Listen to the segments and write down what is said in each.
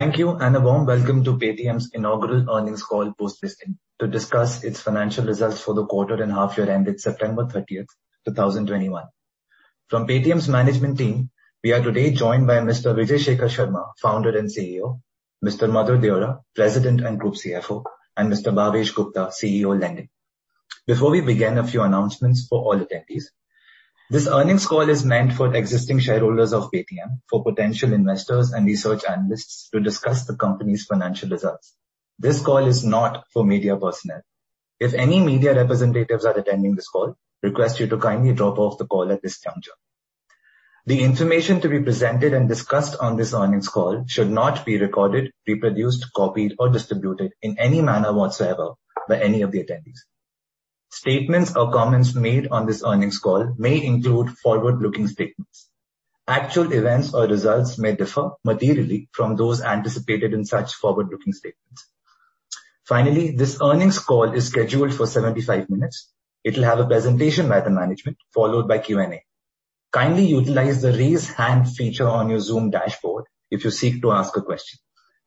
Thank you, and a warm welcome to Paytm's inaugural earnings call post listing to discuss its financial results for the quarter and half year ended September 30th 2021. From Paytm's management team, we are today joined by Mr. Vijay Shekhar Sharma, Founder and CEO, Mr. Madhur Deora, President and Group CFO, and Mr. Bhavesh Gupta, CEO Lending. Before we begin, a few announcements for all attendees. This earnings call is meant for existing shareholders of Paytm, for potential investors and research analysts to discuss the company's financial results. This call is not for media personnel. If any media representatives are attending this call, request you to kindly drop off the call at this juncture. The information to be presented and discussed on this earnings call should not be recorded, reproduced, copied, or distributed in any manner whatsoever by any of the attendees. Statements or comments made on this earnings call may include forward-looking statements. Actual events or results may differ materially from those anticipated in such forward-looking statements. Finally, this earnings call is scheduled for 75 minutes. It'll have a presentation by the management, followed by Q&A. Kindly utilize the Raise Hand feature on your Zoom dashboard if you seek to ask a question.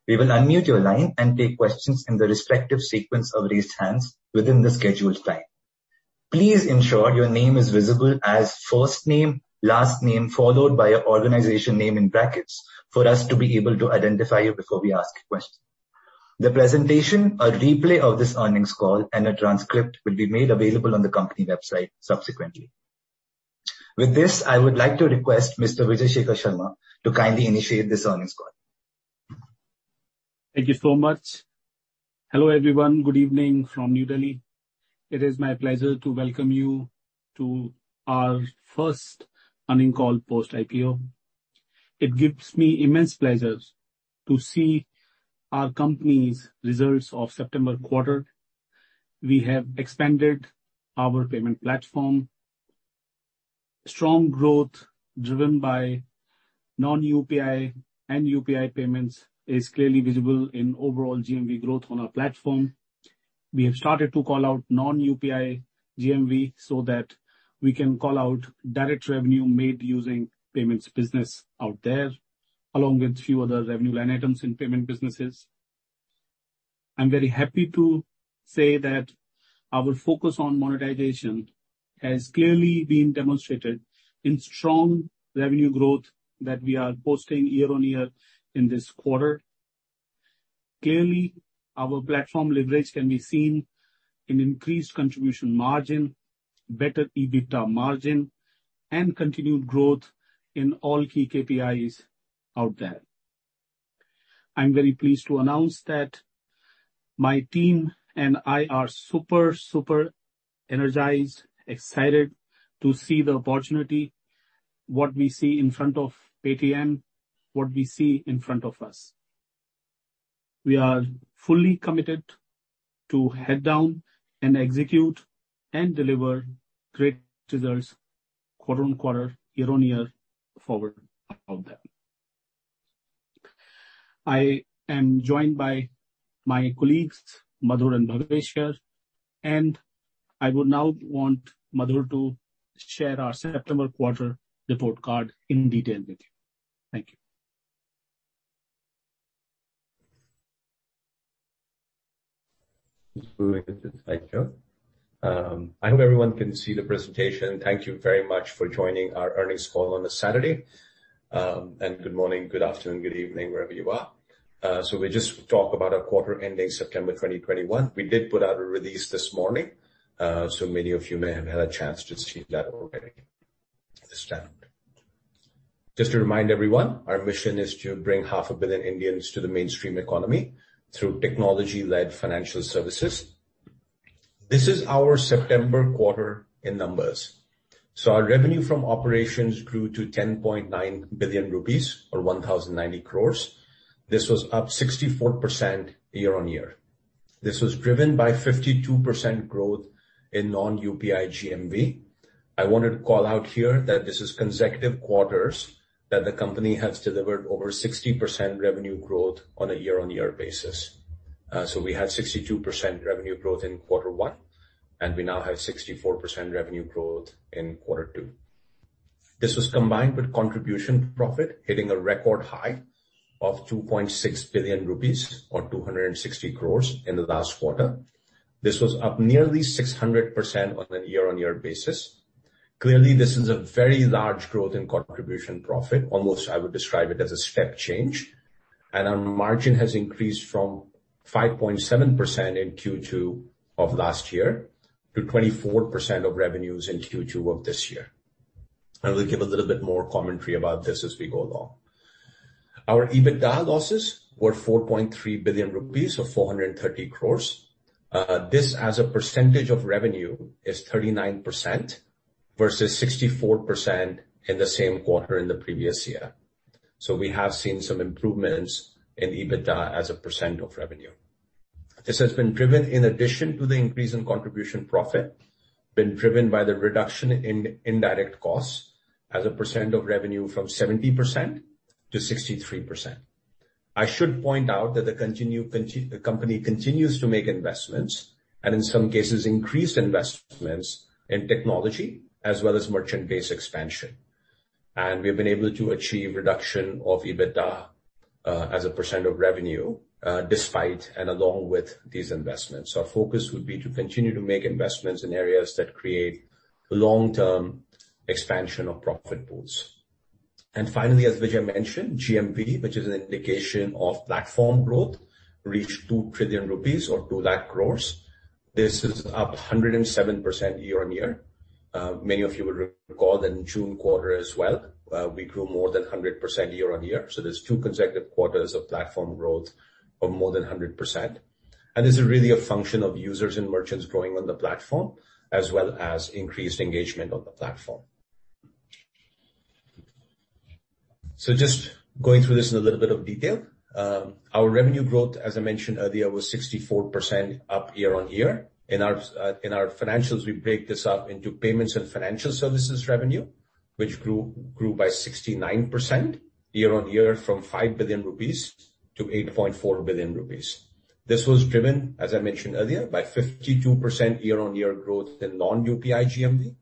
We will unmute your line and take questions in the respective sequence of raised hands within the scheduled time. Please ensure your name is visible as first name, last name, followed by your organization name in brackets for us to be able to identify you before we ask a question. The presentation, a replay of this earnings call, and a transcript will be made available on the company website subsequently. With this, I would like to request Mr. Vijay Shekhar Sharma to kindly initiate this earnings call. Thank you so much. Hello, everyone. Good evening from New Delhi. It is my pleasure to welcome you to our first earnings call post IPO. It gives me immense pleasure to see our company's results of September quarter. We have expanded our payment platform. Strong growth driven by non-UPI and UPI payments is clearly visible in overall GMV growth on our platform. We have started to call out non-UPI GMV so that we can call out direct revenue made using payments business out there, along with few other revenue line items in payment businesses. I'm very happy to say that our focus on monetization has clearly been demonstrated in strong revenue growth that we are posting year on year in this quarter. Clearly, our platform leverage can be seen in increased contribution margin, better EBITDA margin, and continued growth in all key KPIs out there. I'm very pleased to announce that my team and I are super energized, excited to see the opportunity, what we see in front of Paytm, what we see in front of us. We are fully committed to heads down and execute and deliver great results quarter on quarter, year on year forward out there. I am joined by my colleagues, Madhur and Bhavesh here, and I would now want Madhur to share our September quarter report card in detail with you. Thank you. Just moving to the slide show. I hope everyone can see the presentation. Thank you very much for joining our earnings call on a Saturday. Good morning, good afternoon, good evening, wherever you are. We'll just talk about our quarter ending September 2021. We did put out a release this morning, so many of you may have had a chance to see that already at this time. Just to remind everyone, our mission is to bring half a billion Indians to the mainstream economy through technology-led financial services. This is our September quarter in numbers. Our revenue from operations grew to 10.9 billion rupees or 1,090 crores. This was up 64% year-on-year. This was driven by 52% growth in non-UPI GMV. I wanted to call out here that this is consecutive quarters that the company has delivered over 60% revenue growth on a year-on-year basis. We had 62% revenue growth in quarter one, and we now have 64% revenue growth in quarter two. This was combined with contribution profit hitting a record high of 2.6 billion rupees or 260 crores in the last quarter. This was up nearly 600% on a year-on-year basis. Clearly, this is a very large growth in contribution profit. Almost I would describe it as a step change. Our margin has increased from 5.7% in Q2 of last year to 24% of revenues in Q2 of this year. I will give a little bit more commentary about this as we go along. Our EBITDA losses were 4.3 billion rupees or 430 crores. This as a percentage of revenue is 39% versus 64% in the same quarter in the previous year. We have seen some improvements in EBITDA as a percent of revenue. This has been driven, in addition to the increase in contribution profit, by the reduction in indirect costs as a percent of revenue from 70% to 63%. I should point out that the company continues to make investments and in some cases increased investments in technology as well as merchant base expansion. We've been able to achieve reduction of EBITDA as a percent of revenue despite and along with these investments. Our focus would be to continue to make investments in areas that create long-term expansion of profit pools. Finally, as Vijay mentioned, GMV, which is an indication of platform growth, reached 2 trillion rupees or 2 lakh crores. This is up 107% year-on-year. Many of you will recall that in June quarter as well, we grew more than 100% year-on-year. There's two consecutive quarters of platform growth of more than 100%. This is really a function of users and merchants growing on the platform, as well as increased engagement on the platform. Just going through this in a little bit of detail. Our revenue growth, as I mentioned earlier, was 64% up year-on-year. In our financials, we break this up into payments and financial services revenue, which grew by 69% year-on-year from 5 billion rupees to 8.4 billion rupees. This was driven, as I mentioned earlier, by 52% year-on-year growth in non-UPI GMV.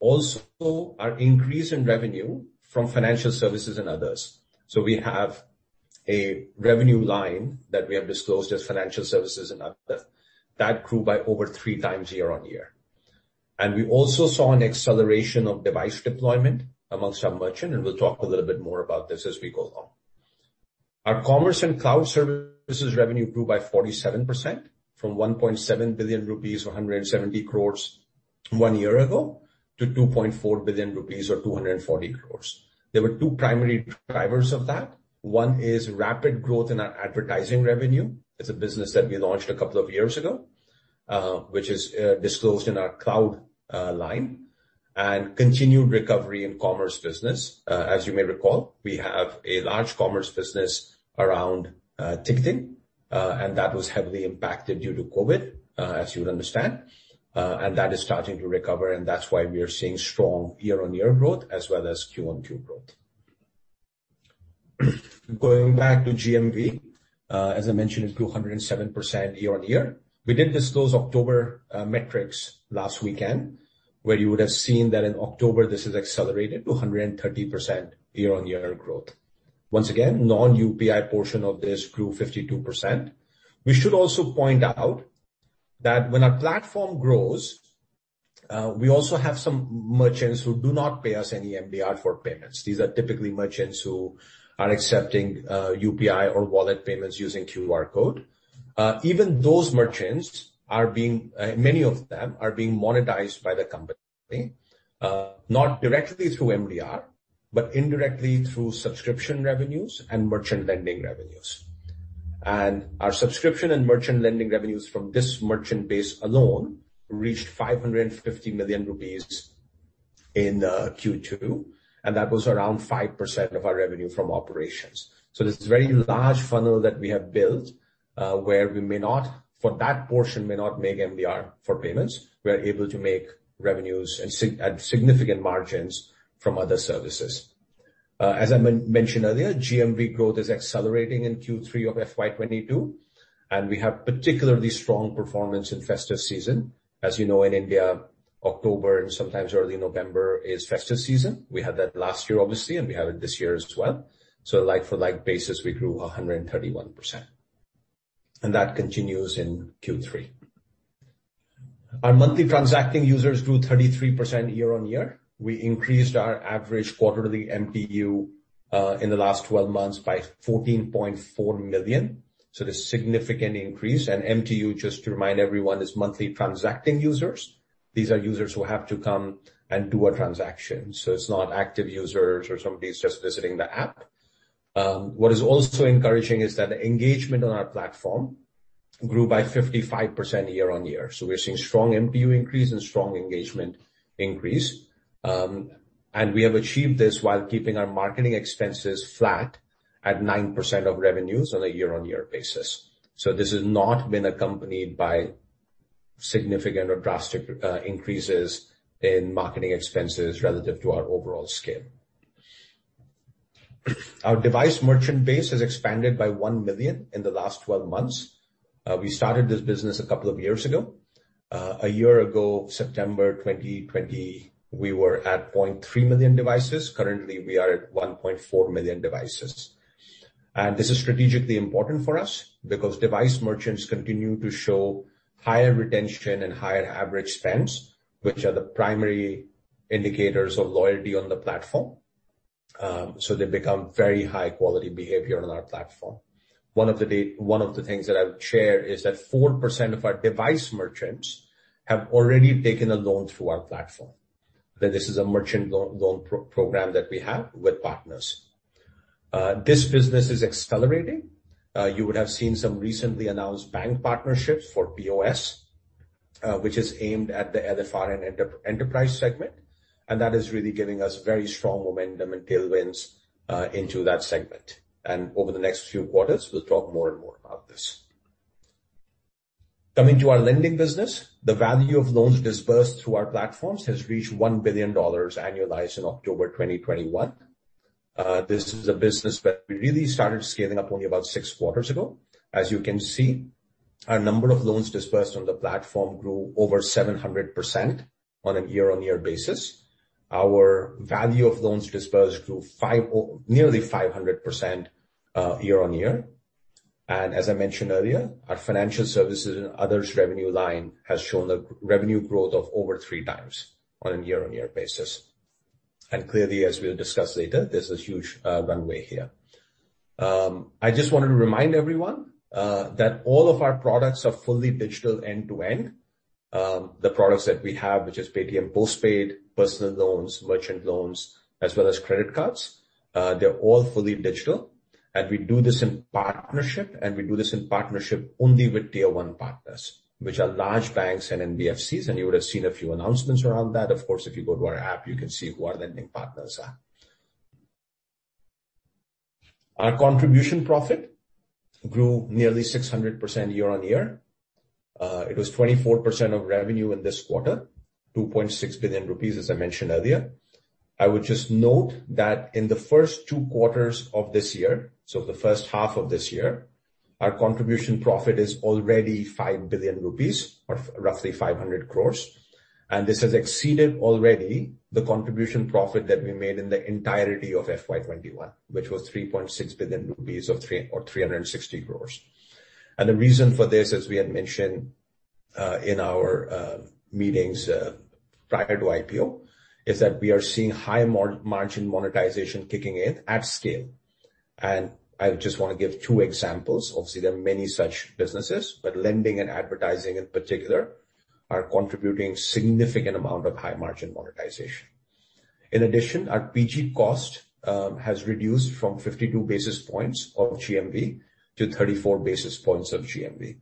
Also, our increase in revenue from financial services and others. We have a revenue line that we have disclosed as financial services and other. That grew by over 3x year-on-year. We also saw an acceleration of device deployment amongst our merchant, and we'll talk a little bit more about this as we go along. Our commerce and cloud services revenue grew by 47% from 1.7 billion rupees or 170 crore one year ago to 2.4 billion rupees or 240 crore. There were two primary drivers of that. One is rapid growth in our advertising revenue. It's a business that we launched a couple of years ago, which is disclosed in our cloud line. Continued recovery in commerce business. As you may recall, we have a large commerce business around ticketing, and that was heavily impacted due to COVID, as you would understand. That is starting to recover, and that's why we are seeing strong year-on-year growth as well as Q-on-Q growth. Going back to GMV, as I mentioned, it grew 107% year-on-year. We did disclose October metrics last weekend, where you would have seen that in October, this has accelerated to 130% year-on-year growth. Once again, non-UPI portion of this grew 52%. We should also point out that when our platform grows, we also have some merchants who do not pay us any MDR for payments. These are typically merchants who are accepting UPI or wallet payments using QR code. Even those merchants, many of them are being monetized by the company, not directly through MDR, but indirectly through subscription revenues and merchant lending revenues. Our subscription and merchant lending revenues from this merchant base alone reached 550 million rupees in Q2, and that was around 5% of our revenue from operations. This is a very large funnel that we have built, where we may not, for that portion, make MDR for payments. We are able to make revenues and significant margins from other services. As I mentioned earlier, GMV growth is accelerating in Q3 of FY 2022, and we have particularly strong performance in festive season. As you know, in India, October and sometimes early November is festive season. We had that last year, obviously, and we have it this year as well. Like-for-like basis, we grew 131%, and that continues in Q3. Our monthly transacting users grew 33% year-on-year. We increased our average quarterly MTU in the last twelve months by 14.4 million. This is a significant increase. MTU, just to remind everyone, is Monthly Transacting Users. These are users who have to come and do a transaction. It's not active users or somebody's just visiting the app. What is also encouraging is that engagement on our platform grew by 55% year-on-year. We're seeing strong MTU increase and strong engagement increase. We have achieved this while keeping our marketing expenses flat at 9% of revenues on a year-on-year basis. This has not been accompanied by significant or drastic increases in marketing expenses relative to our overall scale. Our device merchant base has expanded by 1 million in the last 12 months. We started this business a couple of years ago. A year ago, September 2020, we were at 0.3 million devices. Currently, we are at 1.4 million devices. This is strategically important for us because device merchants continue to show higher retention and higher average spends, which are the primary indicators of loyalty on the platform. They become very high-quality behavior on our platform. One of the things that I've shared is that 4% of our device merchants have already taken a loan through our platform. This is a merchant loan program that we have with partners. This business is accelerating. You would have seen some recently announced bank partnerships for POS, which is aimed at the LFR and enterprise segment, and that is really giving us very strong momentum and tailwinds into that segment. Over the next few quarters, we'll talk more and more about this. Coming to our lending business, the value of loans dispersed through our platforms has reached $1 billion annualized in October 2021. This is a business that we really started scaling up only about six quarters ago. As you can see, our number of loans dispersed on the platform grew over 700% on a year-on-year basis. Our value of loans dispersed grew nearly 500%, year-on-year. As I mentioned earlier, our financial services and others revenue line has shown the revenue growth of over 3x on a year-on-year basis. Clearly, as we'll discuss later, there's a huge runway here. I just wanted to remind everyone that all of our products are fully digital end-to-end. The products that we have, which is Paytm Postpaid, personal loans, merchant loans, as well as credit cards, they're all fully digital. We do this in partnership only with tier one partners, which are large banks and NBFCs, and you would have seen a few announcements around that. Of course, if you go to our app, you can see who our lending partners are. Our contribution profit grew nearly 600% year-on-year. It was 24% of revenue in this quarter, 2.6 billion rupees, as I mentioned earlier. I would just note that in the first two quarters of this year, so the first half of this year, our contribution profit is already 5 billion rupees or roughly 500 crore. This has exceeded already the contribution profit that we made in the entirety of FY 2021, which was 3.6 billion rupees or 360 crore. The reason for this, as we had mentioned in our meetings prior to IPO, is that we are seeing higher margin monetization kicking in at scale. I just wanna give 2 examples. Obviously, there are many such businesses, but lending and advertising in particular are contributing significant amount of high margin monetization. In addition, our PG cost has reduced from 52 basis points of GMV to 34 basis points of GMV.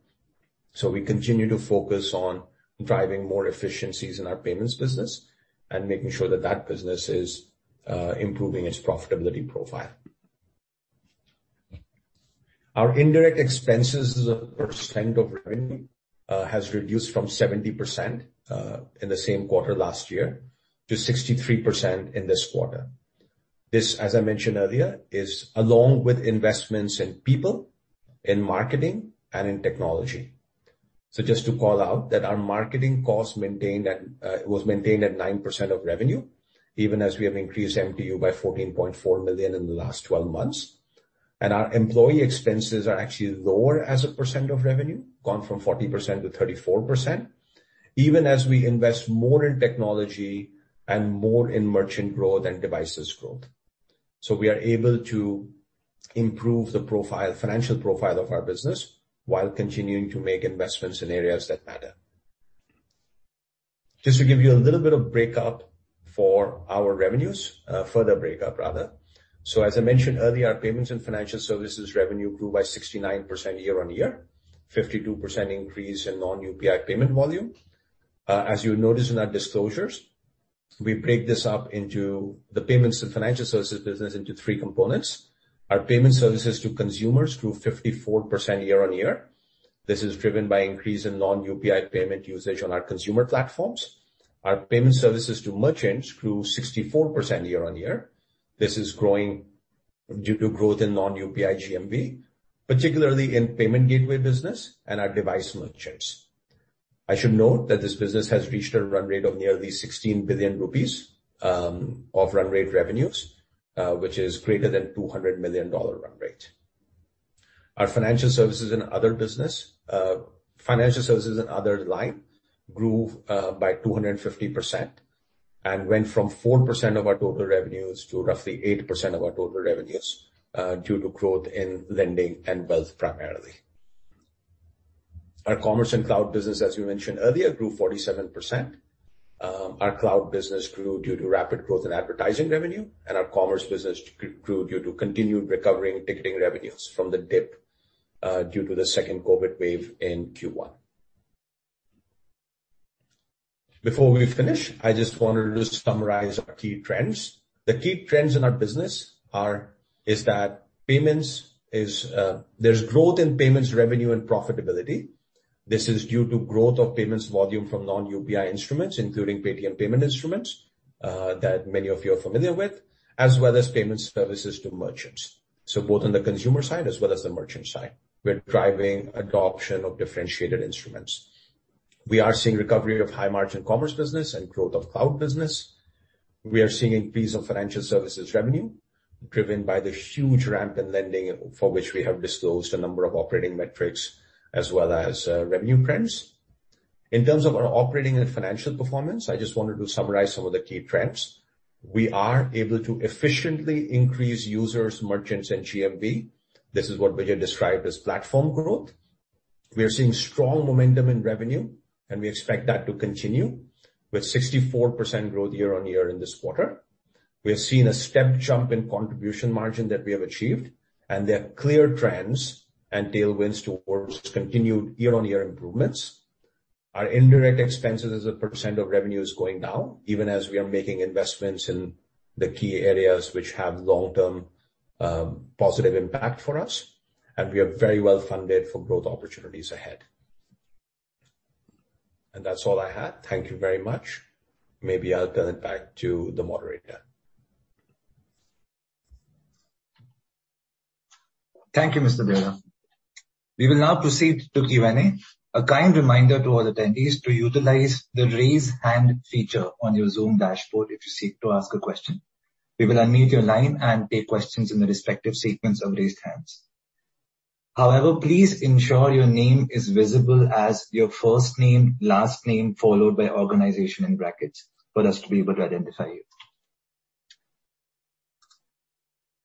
We continue to focus on driving more efficiencies in our payments business and making sure that that business is improving its profitability profile. Our indirect expenses as a percent of revenue has reduced from 70% in the same quarter last year to 63% in this quarter. This, as I mentioned earlier, is along with investments in people, in marketing and in technology. Just to call out that our marketing cost was maintained at 9% of revenue, even as we have increased MTU by 14.4 million in the last twelve months. Our employee expenses are actually lower as a percent of revenue, gone from 40% to 34%, even as we invest more in technology and more in merchant growth and devices growth. We are able to improve the profile, financial profile of our business while continuing to make investments in areas that matter. Just to give you a little bit of break-up for our revenues, further break-up rather. As I mentioned earlier, our payments and financial services revenue grew by 69% year-on-year, 52% increase in non-UPI payment volume. As you would notice in our disclosures, we break this up into the payments and financial services business into three components. Our payment services to consumers grew 54% year-on-year. This is driven by increase in non-UPI payment usage on our consumer platforms. Our payment services to merchants grew 64% year-on-year. This is growing due to growth in non-UPI GMV, particularly in payment gateway business and our device merchants. I should note that this business has reached a run rate of nearly 16 billion rupees of run rate revenues, which is greater than $200 million run rate. Our financial services and other line grew by 250% and went from 4% of our total revenues to roughly 8% of our total revenues due to growth in lending and wealth primarily. Our commerce and cloud business, as we mentioned earlier, grew 47%. Our cloud business grew due to rapid growth in advertising revenue, and our commerce business grew due to continued recovery in ticketing revenues from the dip due to the second COVID wave in Q1. Before we finish, I just wanted to summarize our key trends. The key trends in our business are that there's growth in payments revenue and profitability. This is due to growth of payments volume from non-UPI instruments, including Paytm payment instruments that many of you are familiar with, as well as payment services to merchants. Both on the consumer side as well as the merchant side, we're driving adoption of differentiated instruments. We are seeing recovery of high-margin commerce business and growth of cloud business. We are seeing increase of financial services revenue driven by the huge ramp in lending for which we have disclosed a number of operating metrics as well as revenue trends. In terms of our operating and financial performance, I just wanted to summarize some of the key trends. We are able to efficiently increase users, merchants, and GMV. This is what Vijay described as platform growth. We are seeing strong momentum in revenue, and we expect that to continue with 64% growth year-on-year in this quarter. We have seen a step change in contribution margin that we have achieved, and there are clear trends and tailwinds towards continued year-on-year improvements. Our indirect expenses as a % of revenue is going down, even as we are making investments in the key areas which have long-term, positive impact for us, and we are very well funded for growth opportunities ahead. That's all I had. Thank you very much. Maybe I'll turn it back to the moderator. Thank you, Mr. Deora. We will now proceed to Q&A. A kind reminder to all attendees to utilize the Raise Hand feature on your Zoom dashboard if you seek to ask a question. We will unmute your line and take questions in the respective sequence of raised hands. However, please ensure your name is visible as your first name, last name, followed by organization in brackets for us to be able to identify you.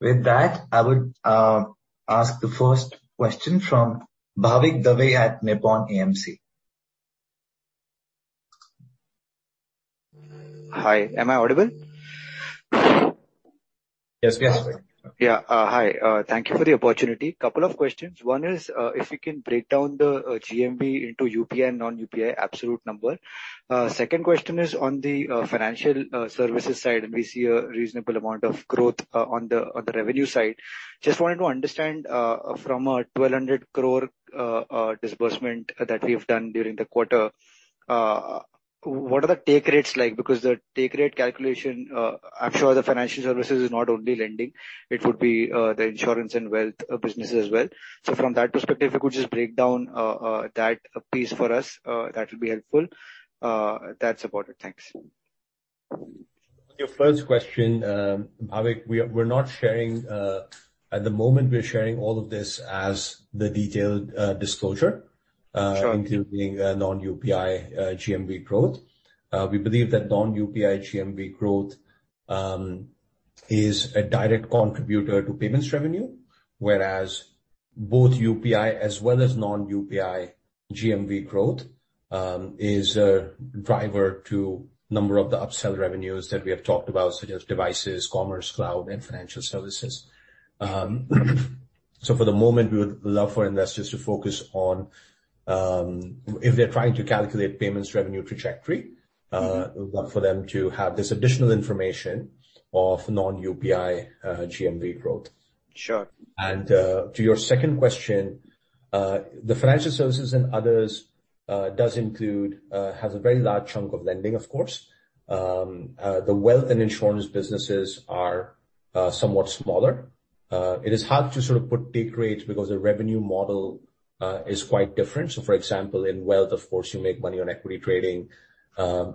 With that, I would ask the first question from Bhavik Dave at Nippon AMC. Hi, am I audible? Yes, we can. Yeah. Hi. Thank you for the opportunity. Couple of questions. One is, if you can break down the GMV into UPI and non-UPI absolute number. Second question is on the financial services side, and we see a reasonable amount of growth on the revenue side. Just wanted to understand, from a 1,200 crore disbursement that we have done during the quarter, what are the take rates like? Because the take rate calculation, I'm sure the financial services is not only lending, it would be the insurance and wealth business as well. So from that perspective, if you could just break down that piece for us, that would be helpful. That's about it. Thanks. On your first question, Bhavik, we're not sharing. At the moment, we're sharing all of this as the detailed disclosure. Sure. including non-UPI GMV growth. We believe that non-UPI GMV growth is a direct contributor to payments revenue, whereas both UPI as well as non-UPI GMV growth is a driver to a number of the upsell revenues that we have talked about, such as devices, commerce, cloud, and financial services. For the moment, we would love for investors to focus on, if they're trying to calculate payments revenue trajectory, we'd love for them to have this additional information of non-UPI GMV growth. Sure. To your second question, the financial services and others has a very large chunk of lending, of course. The wealth and insurance businesses are somewhat smaller. It is hard to sort of put take rates because the revenue model is quite different. For example, in wealth, of course, you make money on equity trading,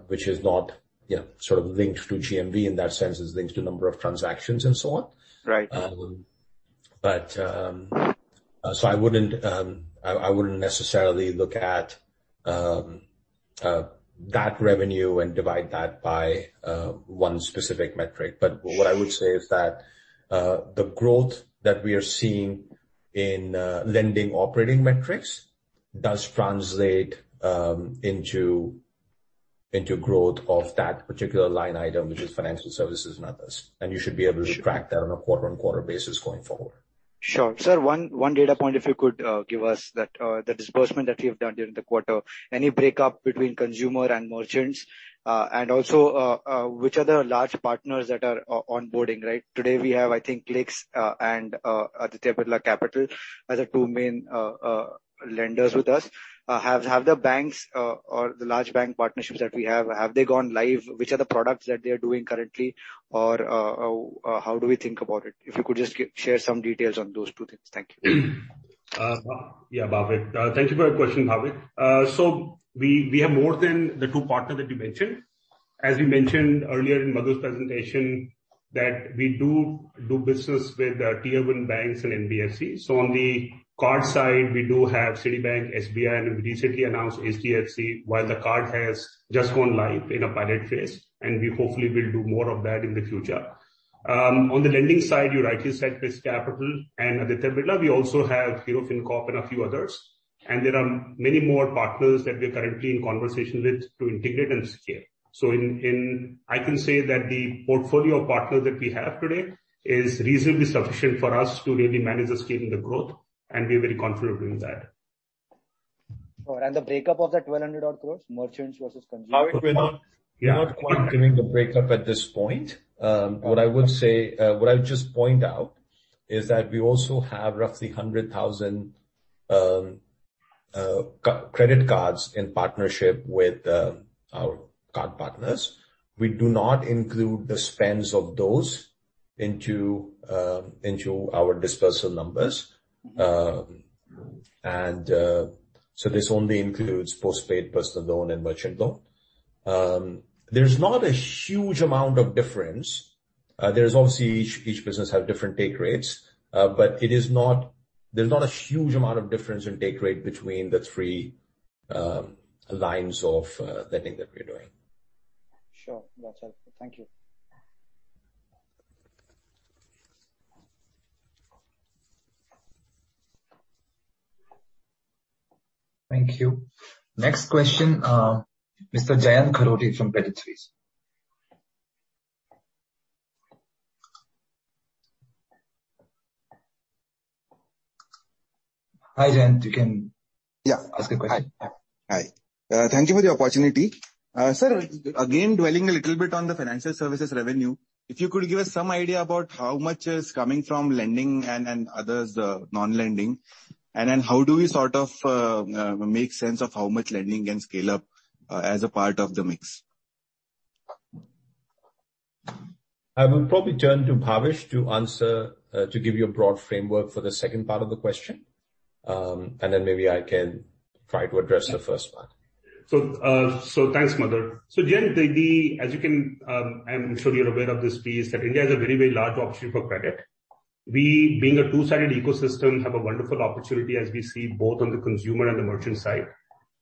which is not, you know, sort of linked to GMV in that sense. It's linked to number of transactions and so on. Right. I wouldn't necessarily look at that revenue and divide that by one specific metric. What I would say is that the growth that we are seeing in lending operating metrics does translate into growth of that particular line item, which is financial services and others. You should be able to- Sure. Track that on a quarter-over-quarter basis going forward. Sure. Sir, one data point, if you could give us that, the disbursement that you have done during the quarter, any break-up between consumer and merchants, and also, which are the large partners that are onboarding, right? Today we have, I think, Clix and Aditya Birla Capital as the two main lenders with us. Have the banks or the large bank partnerships that we have gone live? Which are the products that they are doing currently? Or, how do we think about it? If you could just share some details on those two things. Thank you. Yeah, Bhavik. Thank you for your question, Bhavik. We have more than the two partners that you mentioned. As we mentioned earlier in Madhur's presentation, we do business with tier-one banks and NBFCs. On the card side, we have Citibank, SBI, and we recently announced HDFC, while the card has just gone live in a pilot phase, and we hopefully will do more of that in the future. On the lending side, you rightly said Clix Capital and Aditya Birla. We also have Hero FinCorp and a few others. There are many more partners that we're currently in conversation with to integrate and scale. I can say that the portfolio of partners that we have today is reasonably sufficient for us to really manage the scaling, the growth, and we're very comfortable with that. The breakup of that 1200 odd crores, merchants versus consumers? Bhavik, we're not. Yeah. We're not quite giving the breakup at this point. What I would say, what I would just point out is that we also have roughly 100,000 credit cards in partnership with our card partners. We do not include the spends of those into our dispersal numbers. So this only includes postpaid, personal loan, and merchant loan. There's not a huge amount of difference. There's obviously each business have different take rates, but there's not a huge amount of difference in take rate between the three lines of lending that we're doing. Sure. That's helpful. Thank you. Thank you. Next question, Mr. Jayant Kharote from Credit Suisse. Hi, Jayant, you can- Yeah. Ask the question. Hi. Thank you for the opportunity. Sir, again, dwelling a little bit on the financial services revenue, if you could give us some idea about how much is coming from lending and others, non-lending. How do we sort of make sense of how much lending can scale up, as a part of the mix? I will probably turn to Bhavesh to answer, to give you a broad framework for the second part of the question. Maybe I can try to address the first part. Thanks, Madhur. Again, as you can, I'm sure you're aware of this piece that India has a very, very large opportunity for credit. We, being a two-sided ecosystem, have a wonderful opportunity as we see both on the consumer and the merchant side.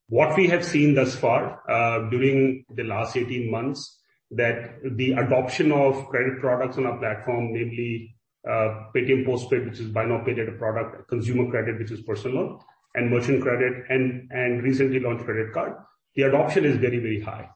What we have seen thus far, during the last 18 months is that the adoption of credit products on our platform, mainly Paytm Postpaid, which is by now Paytm product, consumer credit, which is personal loan and merchant credit and recently launched credit card. The adoption is very, very high.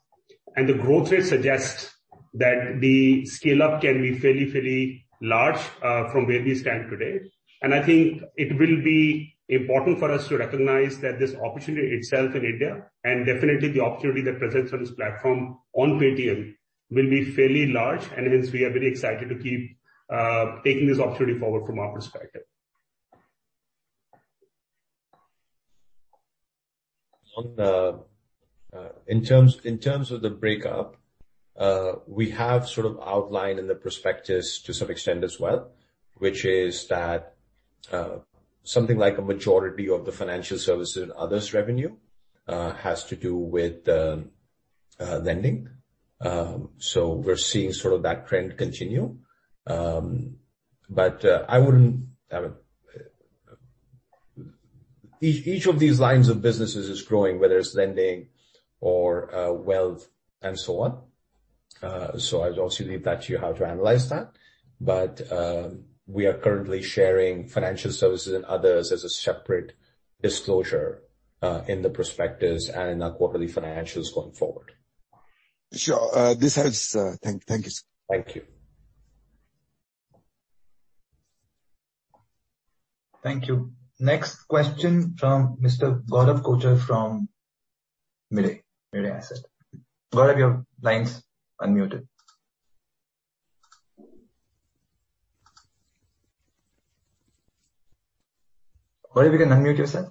The growth rate suggests that the scale up can be fairly large from where we stand today. I think it will be important for us to recognize that this opportunity itself in India, and definitely the opportunity that presents on this platform on Paytm will be fairly large. Hence we are very excited to keep taking this opportunity forward from our perspective. In terms of the breakup, we have sort of outlined in the prospectus to some extent as well, which is that something like a majority of the financial services and others revenue has to do with lending. We're seeing sort of that trend continue. Each of these lines of businesses is growing, whether it's lending or wealth and so on. I would also leave that to you how to analyze that. We are currently sharing financial services and others as a separate disclosure in the prospectus and in our quarterly financials going forward. Sure. This helps. Thank you, sir. Thank you. Thank you. Next question from Mr. Gaurav Kochar from Mirae Asset. Gaurav, your line's unmuted. Gaurav you can unmute yourself.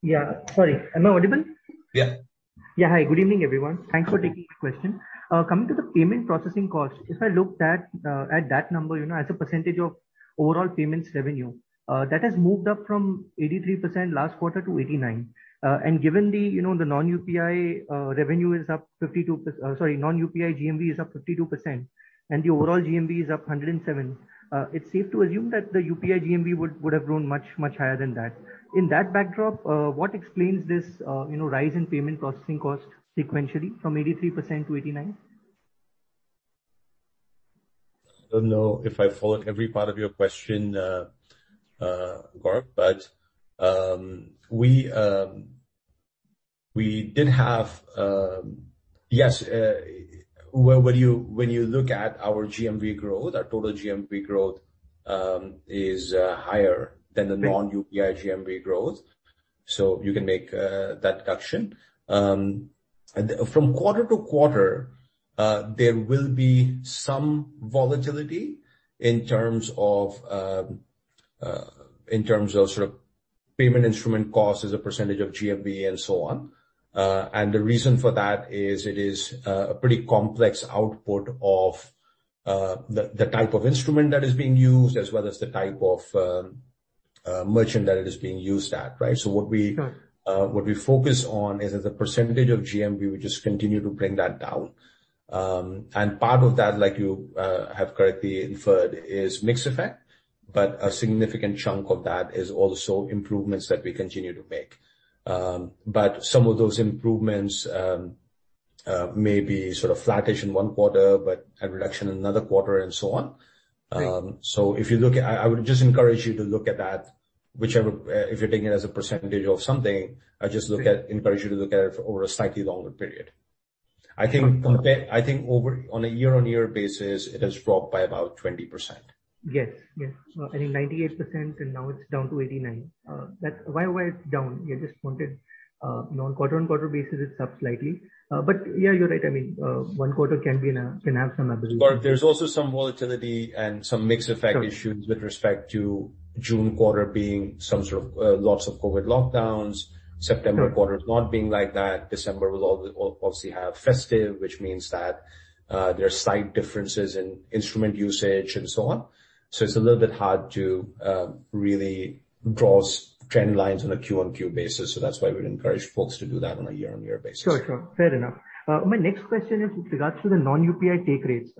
Yeah. Sorry, am I audible? Yeah. Yeah. Hi, good evening, everyone. Thanks for taking the question. Coming to the payment processing cost, if I looked at that number, you know, as a percentage of overall payments revenue, that has moved up from 83% last quarter to 89%. Given the, you know, the non-UPI GMV is up 52%, and the overall GMV is up 107%, it's safe to assume that the UPI GMV would have grown much higher than that. In that backdrop, what explains this, you know, rise in payment processing cost sequentially from 83% to 89%? I don't know if I followed every part of your question, Gaurav. Yes, when you look at our GMV growth, our total GMV growth is higher than the non-UPI GMV growth. You can make that deduction. From quarter to quarter, there will be some volatility in terms of sort of payment instrument costs as a percentage of GMV and so on. The reason for that is it is a pretty complex output of the type of instrument that is being used, as well as the type of merchant that it is being used at, right? What we- Got it. What we focus on is, as a percentage of GMV, we just continue to bring that down. Part of that, like you have correctly inferred, is mix effect, but a significant chunk of that is also improvements that we continue to make. Some of those improvements may be sort of flattish in one quarter, but a reduction in another quarter and so on. Right. I would just encourage you to look at that, whichever, if you're taking it as a percentage of something. I just look at Sure. encourage you to look at it over a slightly longer period. I think Sure. I think over, on a year-on-year basis, it has dropped by about 20%. Yes, yes. I mean 98% and now it's down to 89%. That's why it's down? Yeah, just wanted. You know, on quarter-on-quarter basis it's up slightly. Yeah, you're right. I mean, one quarter can have some aberration. There's also some volatility and some mix effect issues. Sure. With respect to June quarter being some sort of, lots of COVID lockdowns. Sure. September quarter not being like that. December will obviously have festive, which means that there are slight differences in instrument usage and so on. It's a little bit hard to really draw trend lines on a Q-on-Q basis. That's why we'd encourage folks to do that on a year-over-year basis. Sure, sure. Fair enough. My next question is with regards to the non-UPI take rates.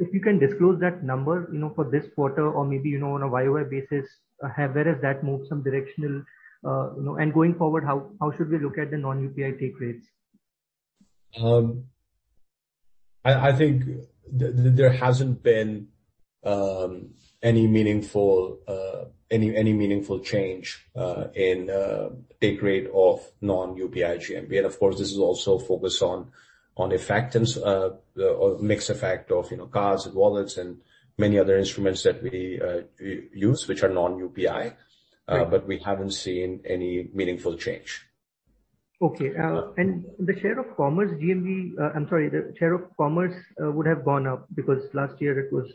If you can disclose that number, you know, for this quarter or maybe, you know, on a Y-O-Y basis, where has that moved some directional, you know. Going forward, how should we look at the non-UPI take rates? I think there hasn't been any meaningful change in take rate of non-UPI GMV. Of course, this is also focused on effect or mix effect of, you know, cards and wallets and many other instruments that we use which are non-UPI. Right. We haven't seen any meaningful change. Okay. The share of commerce would have gone up because last year it was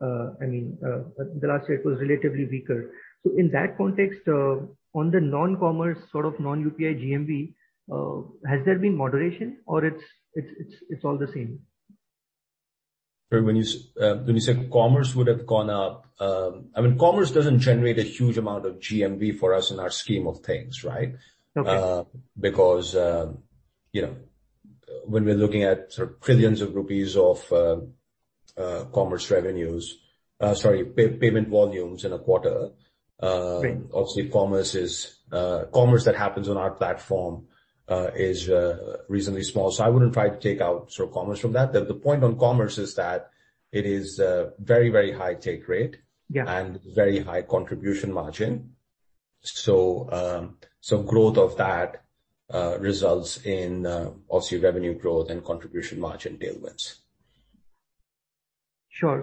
relatively weaker. In that context, on the non-commerce sort of non-UPI GMV, has there been moderation or it's all the same? When you said commerce would have gone up. I mean, commerce doesn't generate a huge amount of GMV for us in our scheme of things, right? Okay. Because, you know, when we're looking at sort of trillions of INR of commerce revenues, sorry, payment volumes in a quarter. Right. Obviously, commerce that happens on our platform is reasonably small. I wouldn't try to take out sort of commerce from that. The point on commerce is that it is a very, very high take rate. Yeah. Very high contribution margin. Growth of that results in, obviously, revenue growth and contribution margin tailwinds. Sure.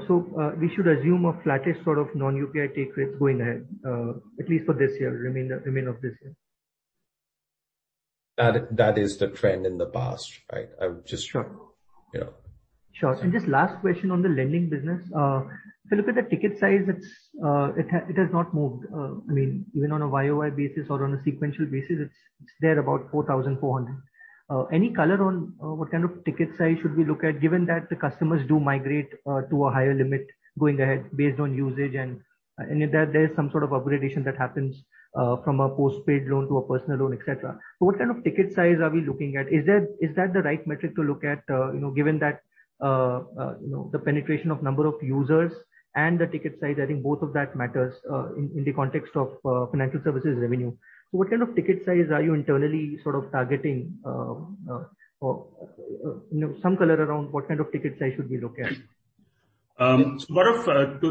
We should assume a flattish sort of non-UPI take rates going ahead, at least for the remainder of this year. That is the trend in the past, right? I would just. Sure. You know. Sure. Just last question on the lending business. If you look at the ticket size, it has not moved. I mean, even on a YOY basis or on a sequential basis, it's thereabout 4,400. Any color on what kind of ticket size should we look at, given that the customers do migrate to a higher limit going ahead based on usage and that there is some sort of upgradation that happens from a post-paid loan to a personal loan, etc. What kind of ticket size are we looking at? Is that the right metric to look at, you know, given that, you know, the penetration of number of users and the ticket size? I think both of that matters in the context of financial services revenue. What kind of ticket size are you internally sort of targeting? Or, you know, some color around what kind of ticket size should we look at? One of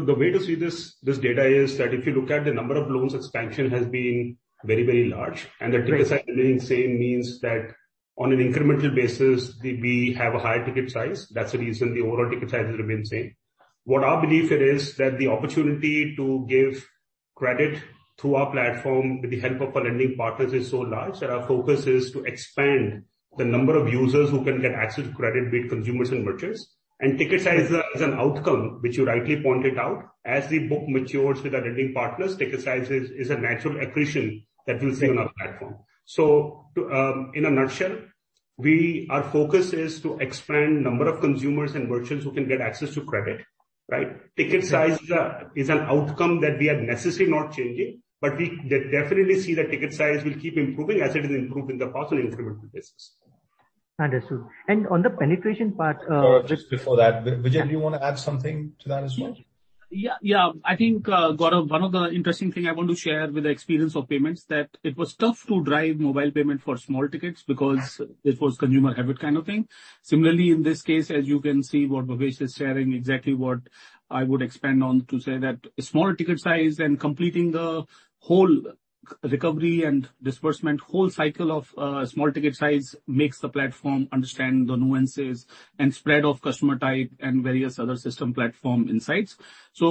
the way to see this data is that if you look at the number of loans expansion has been very, very large. Right. The ticket size remaining same means that on an incremental basis, we have a higher ticket size. That's the reason the overall ticket size has remained same. What our belief is that the opportunity to give credit through our platform with the help of our lending partners is so large that our focus is to expand the number of users who can get access to credit, be it consumers and merchants. Ticket size is an outcome which you rightly pointed out. As the book matures with our lending partners, ticket size is a natural accretion that we'll see on our platform. In a nutshell, our focus is to expand number of consumers and merchants who can get access to credit, right? Right. Ticket size is an outcome that we are necessarily not changing, but we definitely see that ticket size will keep improving as it is improved in the past on an incremental basis. Understood. On the penetration part. Just before that, Vijay, do you wanna add something to that as well? Yeah. Yeah. I think, Gaurav, one of the interesting thing I want to share with the experience of payments, that it was tough to drive mobile payment for small tickets because it was consumer habit kind of thing. Similarly, in this case, as you can see what Bhavesh is sharing, exactly what I would expand on to say that smaller ticket size and completing the whole recovery and disbursement whole cycle of, small ticket size makes the platform understand the nuances and spread of customer type and various other system platform insights.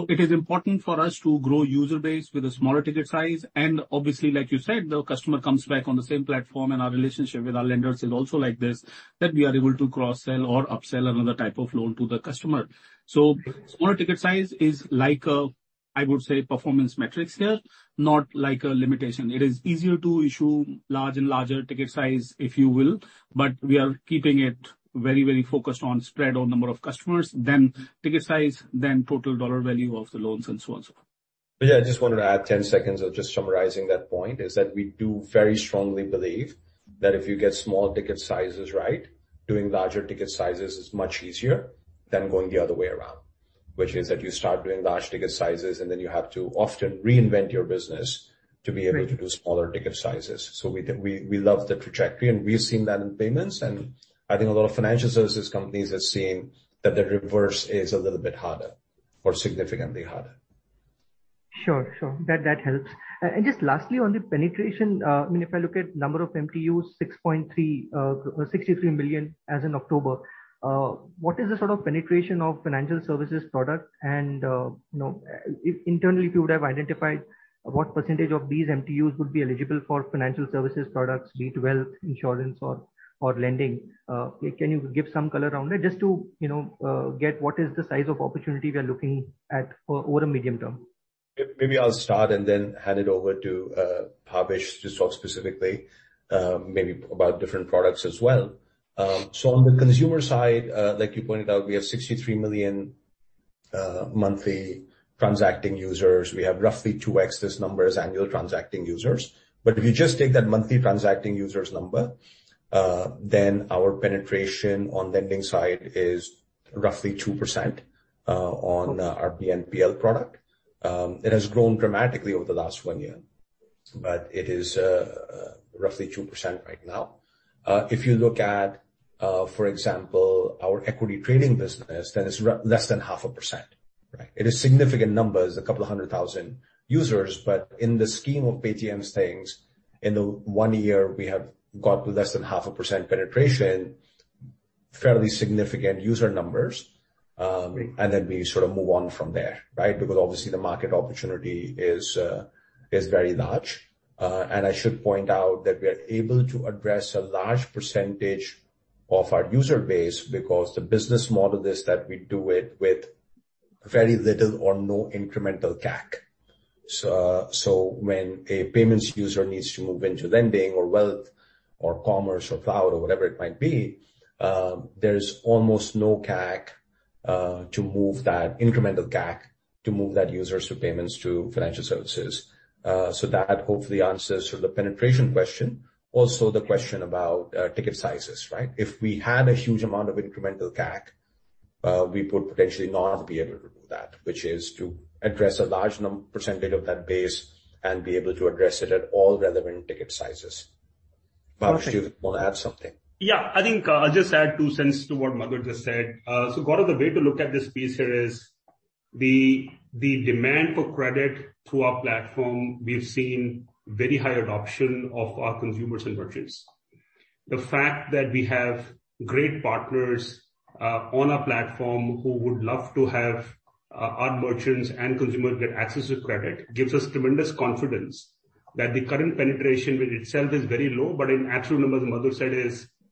It is important for us to grow user base with a smaller ticket size. Obviously, like you said, the customer comes back on the same platform, and our relationship with our lenders is also like this, that we are able to cross-sell or upsell another type of loan to the customer. Smaller ticket size is like a, I would say, performance metrics here, not like a limitation. It is easier to issue large and larger ticket size, if you will, but we are keeping it very, very focused on spread or number of customers, then ticket size, then total dollar value of the loans and so on and so forth. Vijay, I just wanted to add 10 seconds of just summarizing that point, is that we do very strongly believe that if you get small ticket sizes right, doing larger ticket sizes is much easier than going the other way around. Which is that you start doing large ticket sizes, and then you have to often reinvent your business to be able to do smaller ticket sizes. We love the trajectory, and we've seen that in payments, and I think a lot of financial services companies have seen that the reverse is a little bit harder or significantly harder. Sure. That helps. Just lastly, on the penetration, I mean, if I look at number of MTUs, 6.3, 63 million as in October. What is the sort of penetration of financial services product? You know, internally, if you would have identified what percentage of these MTUs would be eligible for financial services products, be it wealth, insurance or lending. Can you give some color around it just to, you know, get what is the size of opportunity we are looking at over a medium term? Maybe I'll start and then hand it over to Bhavesh to talk specifically, maybe about different products as well. On the consumer side, like you pointed out, we have 63 million monthly transacting users. We have roughly 2x this number as annual transacting users. If you just take that monthly transacting users number, then our penetration on lending side is roughly 2% on our BNPL product. It has grown dramatically over the last one year, but it is roughly 2% right now. If you look at, for example, our equity trading business, then it's less than 0.5%. Right. It is significant numbers, 200,000 users, but in the scheme of Paytm's things, in the 1 year we have got to less than 0.5% penetration, fairly significant user numbers. We sort of move on from there, right? Because obviously the market opportunity is very large. I should point out that we are able to address a large percentage of our user base because the business model is that we do it with very little or no incremental CAC. When a payments user needs to move into lending or wealth or commerce or cloud or whatever it might be, there's almost no incremental CAC to move that user from payments to financial services. That hopefully answers sort of the penetration question. Also the question about ticket sizes, right? If we had a huge amount of incremental CAC, we would potentially not be able to do that, which is to address a large percentage of that base and be able to address it at all relevant ticket sizes. Bhavesh, do you want to add something? Yeah. I think I'll just add two cents to what Madhur just said. Gaurav, the way to look at this piece here is the demand for credit through our platform. We've seen very high adoption of our consumers and merchants. The fact that we have great partners on our platform who would love to have our merchants and consumers get access to credit gives us tremendous confidence that the current penetration with itself is very low, but in actual numbers, Madhur said,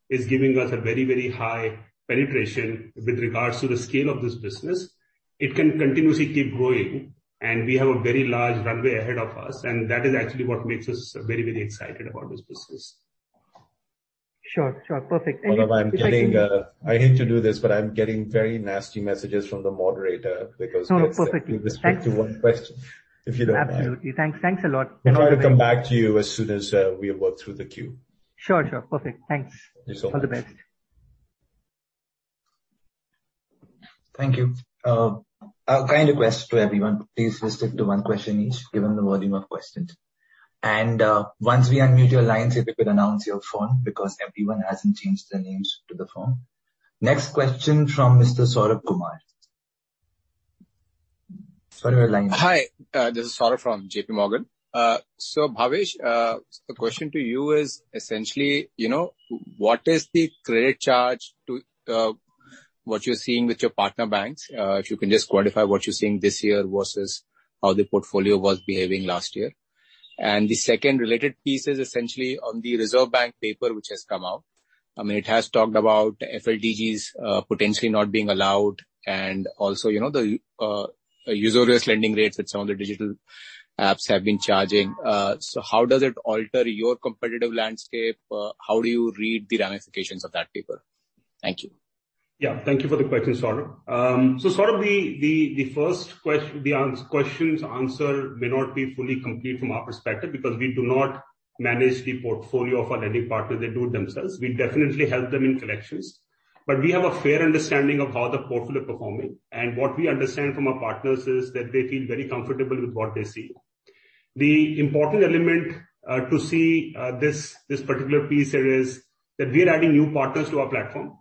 is giving us a very, very high penetration with regards to the scale of this business. It can continuously keep growing, and we have a very large runway ahead of us, and that is actually what makes us very, very excited about this business. Sure. Perfect. Thank you. Gaurav, I hate to do this, but I'm getting very nasty messages from the moderator because. No, no. Perfect. Thanks. Let's stick to one question, if you don't mind. Absolutely. Thanks. Thanks a lot. We'll try to come back to you as soon as we have worked through the queue. Sure. Sure. Perfect. Thanks. Yes. All the best. Thank you. A kind request to everyone. Please restrict to one question each, given the volume of questions. Once we unmute your lines, if you could announce your firm, because everyone hasn't changed their names to the firm. Next question from Mr. Saurav Kumar. Saurav, your line is open. Hi, this is Saurav Kumar from JPMorgan. Bhavesh, the question to you is essentially, you know, what is the credit charge-off to what you're seeing with your partner banks? If you can just quantify what you're seeing this year versus how the portfolio was behaving last year. The second related piece is essentially on the Reserve Bank paper, which has come out. I mean, it has talked about FLDGs potentially not being allowed, and also, you know, the usurious lending rates which some of the digital apps have been charging. How does it alter your competitive landscape? How do you read the ramifications of that paper? Thank you. Yeah. Thank you for the question, Saurav. Saurav, the first question's answer may not be fully complete from our perspective because we do not manage the portfolio of our lending partner. They do it themselves. We definitely help them in collections. We have a fair understanding of how the portfolio performing, and what we understand from our partners is that they feel very comfortable with what they see. The important element to see this particular piece here is that we're adding new partners to our platform.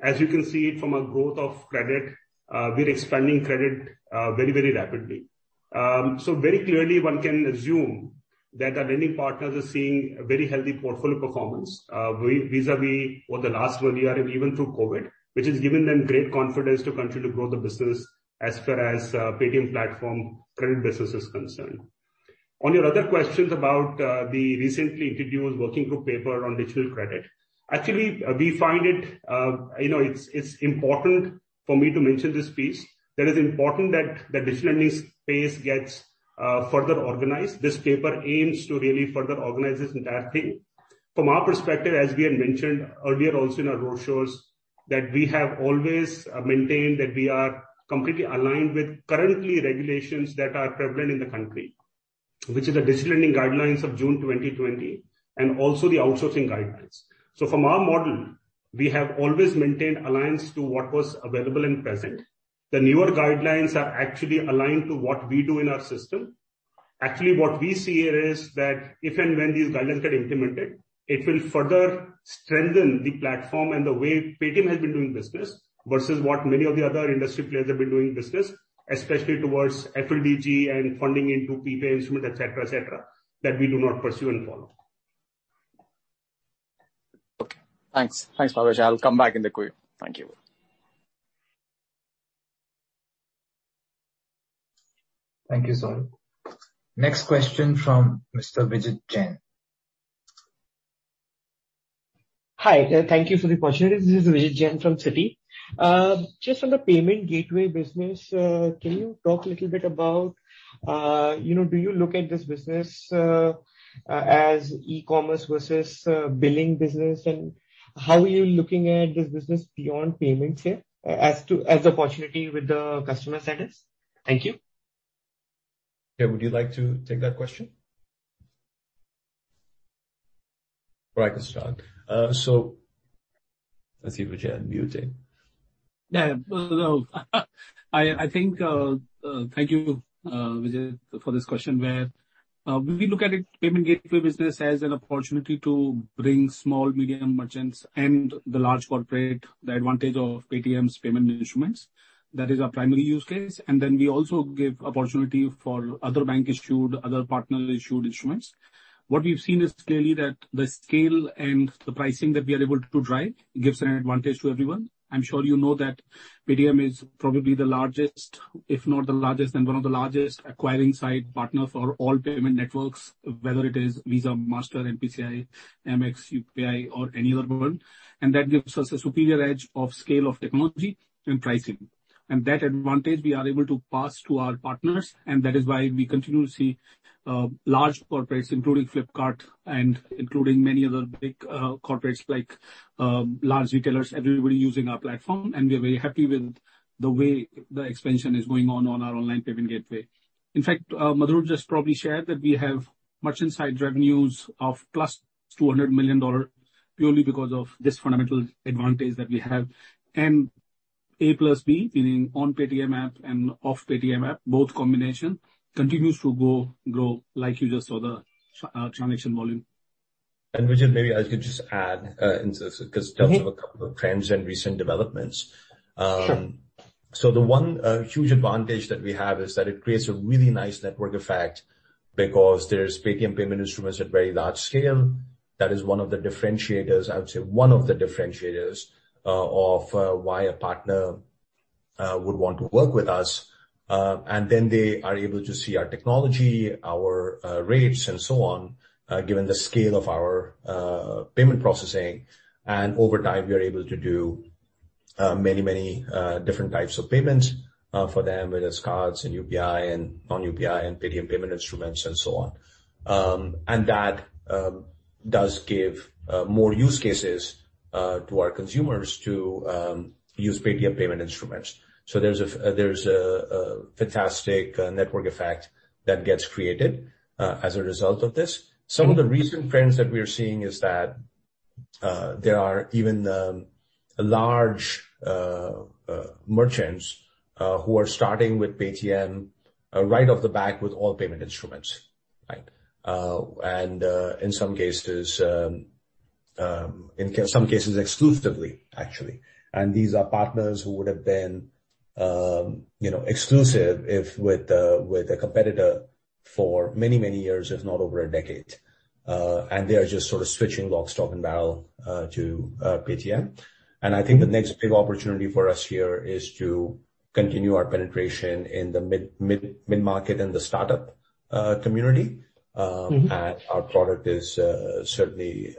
As you can see from our growth of credit, we're expanding credit very, very rapidly. Very clearly one can assume that our lending partners are seeing a very healthy portfolio performance, vis-à-vis for the last one year and even through COVID, which has given them great confidence to continue to grow the business as far as Paytm platform credit business is concerned. On your other questions about the recently introduced working group paper on digital credit. Actually, we find it, you know, it's important for me to mention this piece, that it's important that the digital lending space gets further organized. This paper aims to really further organize this entire thing. From our perspective, as we had mentioned earlier also in our roadshows, that we have always maintained that we are completely aligned with current regulations that are prevalent in the country, which is the digital lending guidelines of June 2020, and also the outsourcing guidelines. From our model, we have always maintained alignment to what was available and present. The newer guidelines are actually aligned to what we do in our system. Actually, what we see here is that if and when these guidelines get implemented, it will further strengthen the platform and the way Paytm has been doing business versus what many of the other industry players have been doing business, especially towards FLDG and funding into prepaid instrument, et cetera, et cetera, that we do not pursue and follow. Okay. Thanks. Thanks, Bhavesh. I'll come back in the queue. Thank you. Thank you, Saurav. Next question from Mr. Vijit Jain. Hi. Thank you for the opportunity. This is Vijit Jain from Citi. Just on the payment gateway business, can you talk a little bit about, you know, do you look at this business as e-commerce versus billing business? How are you looking at this business beyond payments here, as to the opportunity with the customer set is? Thank you. Yeah. Would you like to take that question? Or I can start. Let's see if Vijay unmute it. Yeah. Well, I think. Thank you, Vijay, for this question, where We look at it payment gateway business as an opportunity to bring small, medium merchants and the large corporate the advantage of Paytm's payment instruments. That is our primary use case. Then we also give opportunity for other bank-issued, other partner-issued instruments. What we've seen is clearly that the scale and the pricing that we are able to drive gives an advantage to everyone. I'm sure you know that Paytm is probably the largest, if not the largest, then one of the largest acquiring site partner for all payment networks, whether it is Visa, Mastercard, NPCI, Amex, UPI or any other one. That gives us a superior edge of scale of technology and pricing. That advantage we are able to pass to our partners and that is why we continue to see large corporates, including Flipkart and including many other big corporates like large retailers, everybody using our platform. We are very happy with the way the expansion is going on our online payment gateway. In fact, Madhur just probably shared that we have merchant side revenues of +$200 million purely because of this fundamental advantage that we have. A + B, meaning on Paytm app and off Paytm app, both combination continues to grow like you just saw the transaction volume. Vijay, maybe I could just add, in terms of a couple of trends and recent developments. Sure. The one huge advantage that we have is that it creates a really nice network effect because there's Paytm payment instruments at very large scale. That is one of the differentiators, I would say, of why a partner would want to work with us. Then they are able to see our technology, our rates and so on, given the scale of our payment processing. Over time, we are able to do many different types of payments for them, whether it's cards and UPI and non-UPI and Paytm payment instruments and so on. That does give more use cases to our consumers to use Paytm payment instruments. There's a fantastic network effect that gets created as a result of this. Mm-hmm. Some of the recent trends that we are seeing is that there are even large merchants who are starting with Paytm right off the bat with all payment instruments, right? In some cases exclusively, actually. These are partners who would have been, you know, exclusive with a competitor for many, many years, if not over a decade. They are just sort of switching lock, stock and barrel to Paytm. Mm-hmm. I think the next big opportunity for us here is to continue our penetration in the mid-market and the startup community. Mm-hmm. Our product is certainly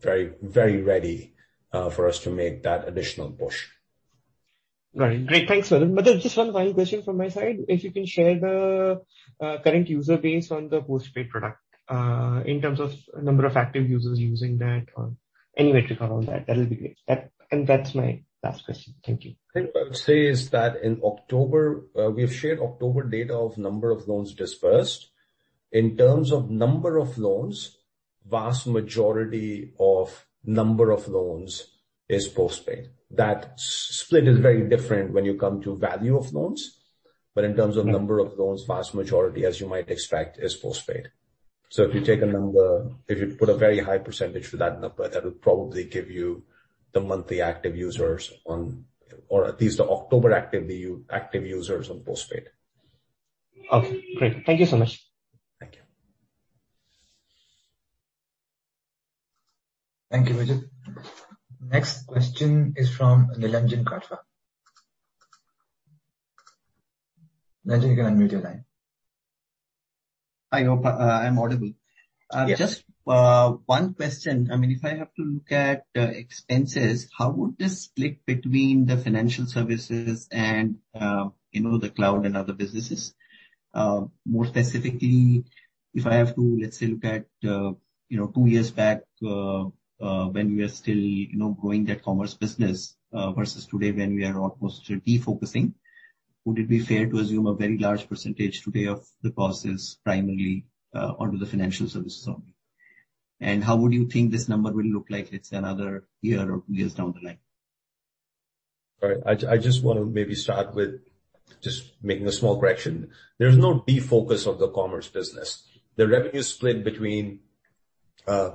very very ready for us to make that additional push. Right. Great. Thanks, Vijay. Madhur, just one final question from my side. If you can share the current user base on the postpaid product in terms of number of active users using that or any metric around that'll be great. And that's my last question. Thank you. I would say is that in October, we've shared October data of number of loans disbursed. In terms of number of loans, vast majority of number of loans is postpaid. That split is very different when you come to value of loans, but in terms of number of loans, vast majority, as you might expect, is postpaid. If you take a number, if you put a very high percentage to that number, that'll probably give you the monthly active users on or at least the October active users on postpaid. Okay, great. Thank you so much. Thank you. Thank you, Vijay. Next question is from Nilanjan Karfa. Nilanjan, you can unmute your line. Hi, I'm audible. Yes. Just one question. I mean, if I have to look at expenses, how would this split between the financial services and you know, the cloud and other businesses? More specifically, if I have to, let's say, look at you know, two years back, when we are still you know, growing that commerce business versus today, when we are almost defocusing, would it be fair to assume a very large percentage today of the cost is primarily onto the financial services only? How would you think this number will look like it's another year or two years down the line? Right. I just want to maybe start with just making a small correction. There's no defocus of the commerce business. The revenue split between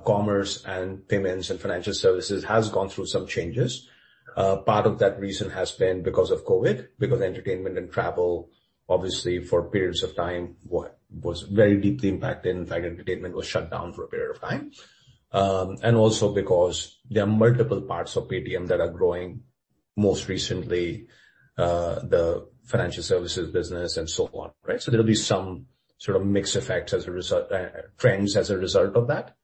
commerce and payments and financial services has gone through some changes. Part of that reason has been because of COVID, because entertainment and travel, obviously, for periods of time was very deeply impacted. In fact, entertainment was shut down for a period of time. Also because there are multiple parts of Paytm that are growing, most recently, the financial services business and so on, right? There'll be some sort of mix effects as a result, trends as a result of that.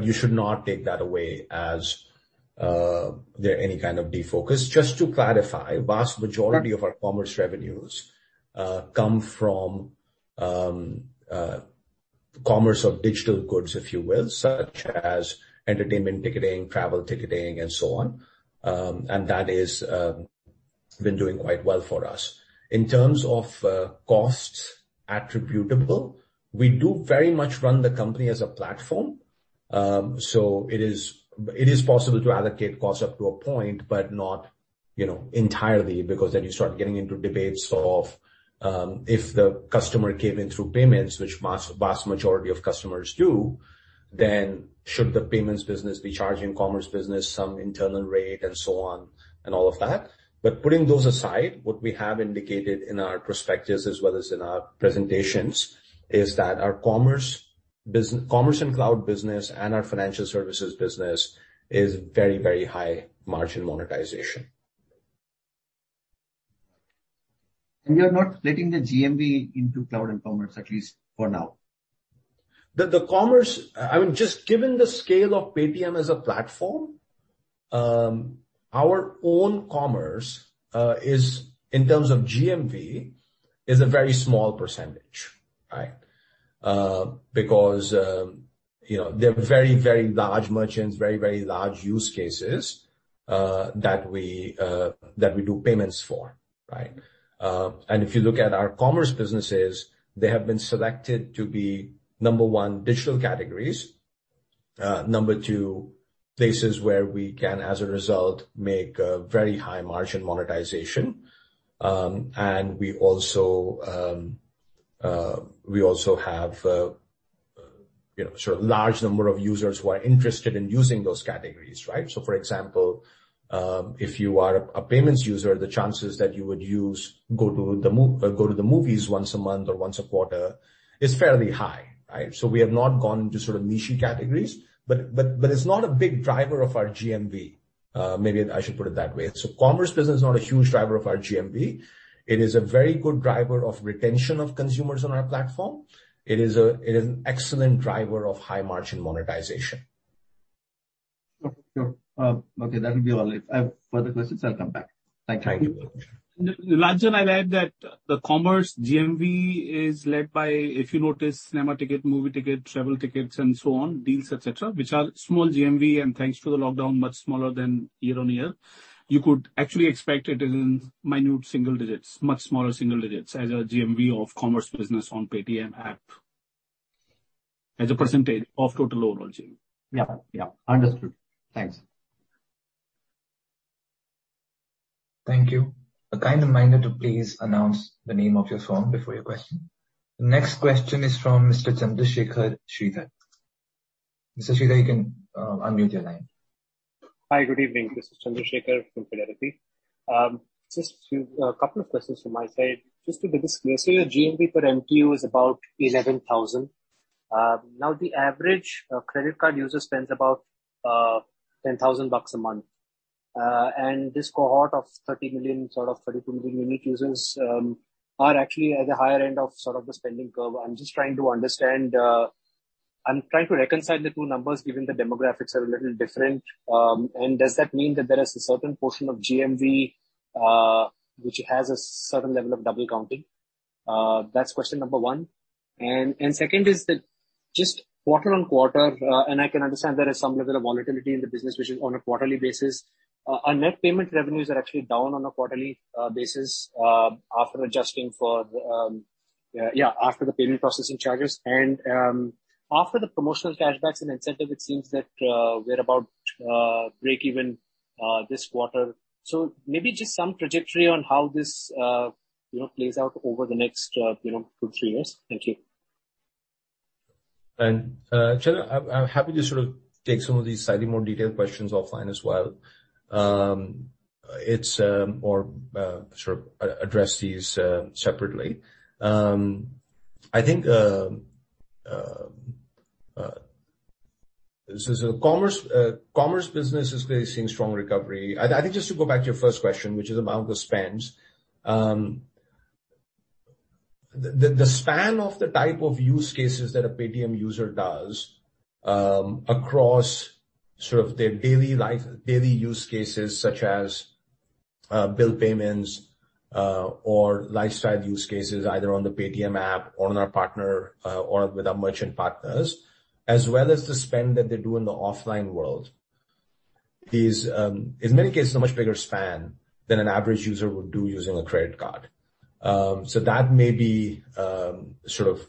You should not take that away as there being any kind of defocus. Just to clarify, vast majority of our commerce revenues come from commerce of digital goods, if you will, such as entertainment ticketing, travel ticketing and so on. That is been doing quite well for us. In terms of costs attributable, we do very much run the company as a platform. It is possible to allocate costs up to a point, but not, you know, entirely, because then you start getting into debates of if the customer came in through payments, which vast majority of customers do, then should the payments business be charging commerce business some internal rate and so on, and all of that. Putting those aside, what we have indicated in our prospectus as well as in our presentations is that our commerce and cloud business and our financial services business is very, very high margin monetization. You're not letting the GMV into cloud and commerce, at least for now. I mean, just given the scale of Paytm as a platform, our own commerce is, in terms of GMV, a very small percentage. Right? Because you know, there are very large merchants, very large use cases that we do payments for, right? If you look at our commerce businesses, they have been selected to be number one, digital categories. Number two, places where we can, as a result, make a very high margin monetization. We also have you know, sort of large number of users who are interested in using those categories, right? For example, if you are a payments user, the chances that you would go to the movies once a month or once a quarter is fairly high, right? We have not gone into sort of niche-y categories, but it's not a big driver of our GMV. Maybe I should put it that way. Commerce business is not a huge driver of our GMV. It is a very good driver of retention of consumers on our platform. It is an excellent driver of high margin monetization. Okay, sure. Okay, that would be all. If I have further questions, I'll come back. Thank you. Thank you. Nilanjan, I'd add that the commerce GMV is led by, if you notice, cinema ticket, movie ticket, travel tickets and so on, deals, etc., which are small GMV, and thanks to the lockdown, much smaller than year-over-year. You could actually expect it in mid single digits, much smaller single digits as a GMV of commerce business on Paytm app as a percentage of total overall GMV. Yeah. Yeah. Understood. Thanks. Thank you. A kind reminder to please announce the name of your firm before your question. The next question is from Mr. Chandrasekhar Sridhar. Mr. Sridhar, you can unmute your line. Hi, good evening. This is Chandrasekhar from Fidelity. Just a few, a couple of questions from my side. Just a bit of disclosure, your GMV per MTU is about 11,000. Now the average credit card user spends about INR 10,000 a month. This cohort of 30 million, sort of 32 million unique users are actually at the higher end of sort of the spending curve. I'm just trying to understand. I'm trying to reconcile the two numbers given the demographics are a little different. Does that mean that there is a certain portion of GMV which has a certain level of double counting? That's question number one. Second is that just quarter-on-quarter, and I can understand there is some level of volatility in the business, which is on a quarterly basis. Our net payment revenues are actually down on a quarterly basis after adjusting for the payment processing charges. After the promotional cash backs and incentive, it seems that we're about breakeven this quarter. Maybe just some trajectory on how this you know plays out over the next you know two, three years. Thank you. Chandra, I'm happy to sort of take some of these slightly more detailed questions offline as well. It's or sort of address these separately. I think commerce business is facing strong recovery. I think just to go back to your first question, which is around the spends. The span of the type of use cases that a Paytm user does across sort of their daily life, daily use cases such as bill payments or lifestyle use cases, either on the Paytm app or on our partner or with our merchant partners, as well as the spend that they do in the offline world is in many cases a much bigger span than an average user would do using a credit card. That may be sort of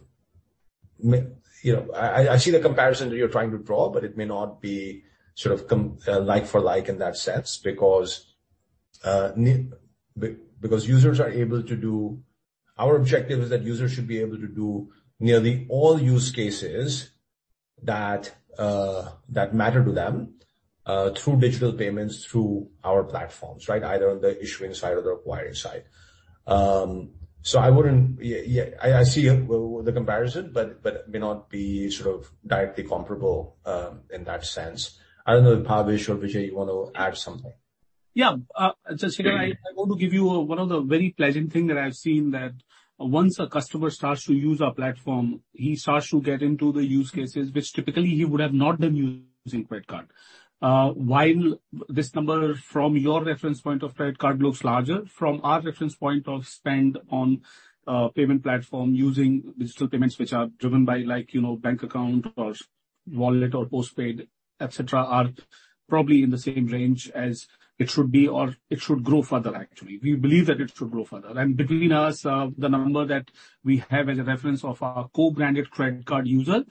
you know I see the comparison that you're trying to draw, but it may not be sort of like for like in that sense because our objective is that users should be able to do nearly all use cases that matter to them through digital payments through our platforms, right? Either on the issuing side or the acquiring side. I wouldn't. Yeah, I see the comparison, but it may not be sort of directly comparable in that sense. I don't know if Bhavesh or Vijay you want to add something. Yeah. Just here I want to give you one of the very pleasant thing that I've seen, that once a customer starts to use our platform, he starts to get into the use cases which typically he would have not been using credit card. While this number from your reference point of credit card looks larger, from our reference point of spend on payment platform using digital payments which are driven by like, you know, bank account or wallet or postpaid, et cetera, are probably in the same range as it should be or it should grow further, actually. We believe that it should grow further. Between us, the number that we have as a reference of our co-branded credit card user,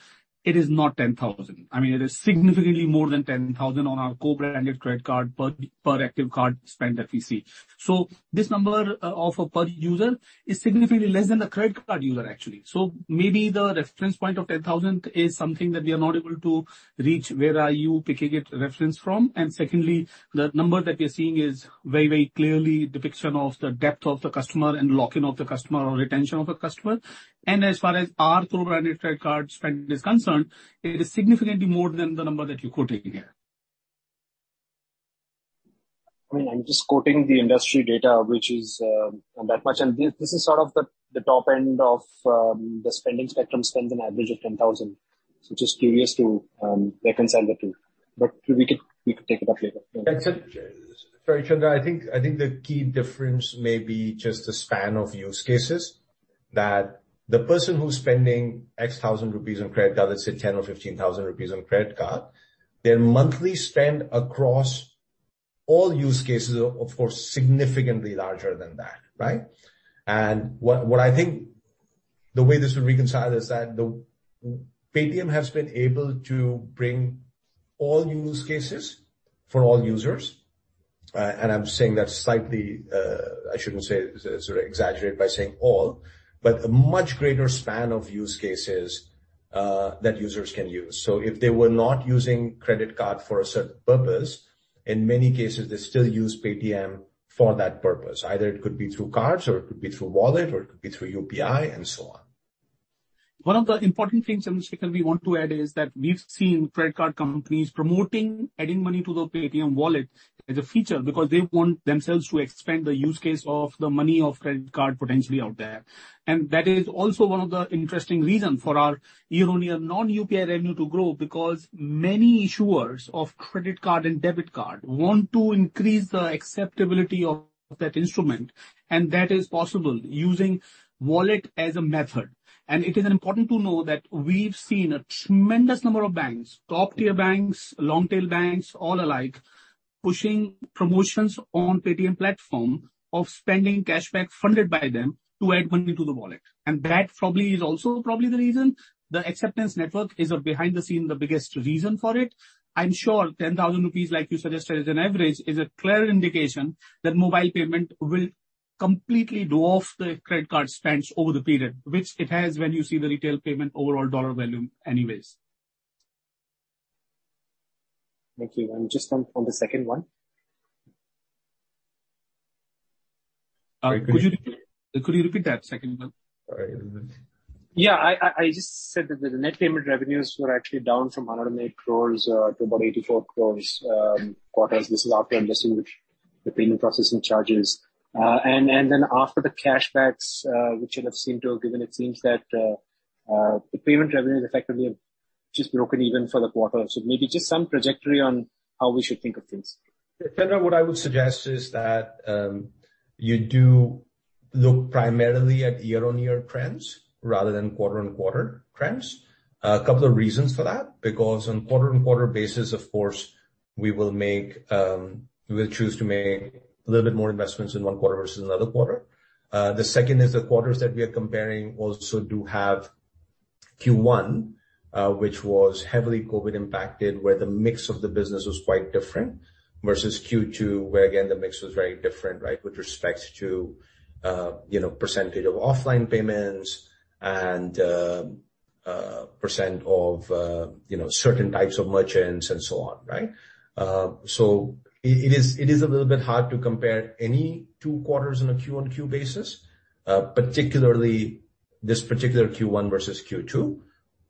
it is not 10,000. I mean, it is significantly more than 10,000 on our co-branded credit card per active card spend that we see. This number of per user is significantly less than a credit card user, actually. Maybe the reference point of 10,000 is something that we are not able to reach, where are you picking its reference from. Secondly, the number that we are seeing is very, very clear depiction of the depth of the customer and lock-in of the customer or retention of a customer. As far as our co-branded credit card spend is concerned, it is significantly more than the number that you're quoting here. I mean, I'm just quoting the industry data, which is that much. This is sort of the top end of the spending spectrum, spends an average of 10,000. Just curious to reconcile the two. We could take it up later. That's it. Sorry, Chandra, I think the key difference may be just the span of use cases. That the person who's spending 10 thousand rupees on credit card, let's say 10 or 15 thousand rupees on credit card, their monthly spend across all use cases are, of course, significantly larger than that, right? What I think the way this would reconcile is that Paytm has been able to bring all new use cases for all users. I'm saying that slightly. I shouldn't say, sort of exaggerate by saying all, but a much greater span of use cases that users can use. If they were not using credit card for a certain purpose, in many cases they still use Paytm for that purpose. Either it could be through cards or it could be through wallet or it could be through UPI and so on. One of the important things, and Shekhar, we want to add is that we've seen credit card companies promoting adding money to the Paytm wallet as a feature because they want themselves to expand the use case of the money of credit card potentially out there. That is also one of the interesting reason for our year-on-year non-UPI revenue to grow because many issuers of credit card and debit card want to increase the acceptability of that instrument, and that is possible using wallet as a method. It is important to know that we've seen a tremendous number of banks, top-tier banks, long-tail banks, all alike, pushing promotions on Paytm platform of spending cashback funded by them to add money to the wallet. That probably is also the reason the acceptance network is behind the scenes, the biggest reason for it. I'm sure 10,000 rupees, like you suggested, as an average is a clear indication that mobile payment will completely dwarf the credit card spends over the period, which it has when you see the retail payment overall dollar volume anyways. Thank you. Just on the second one. Could you repeat that second one? Sorry. Yeah. I just said that the net payment revenues were actually down from 108 crores to about 84 crores. This is after adjusting the payment processing charges. And then after the cashbacks which you'd have seemed to have given, it seems that the payment revenues effectively have just broken even for the quarter. Maybe just some trajectory on how we should think of things. Chandra, what I would suggest is that you do look primarily at year-on-year trends rather than quarter-on-quarter trends. A couple of reasons for that, because on quarter-on-quarter basis, of course, we will make, we'll choose to make a little bit more investments in one quarter versus another quarter. The second is the quarters that we are comparing also do have Q1, which was heavily COVID impacted, where the mix of the business was quite different versus Q2, where again, the mix was very different, right? With respect to, you know, percentage of offline payments and, percent of, you know, certain types of merchants and so on, right? It is a little bit hard to compare any two quarters on a Q-on-Q basis, particularly this particular Q1 versus Q2.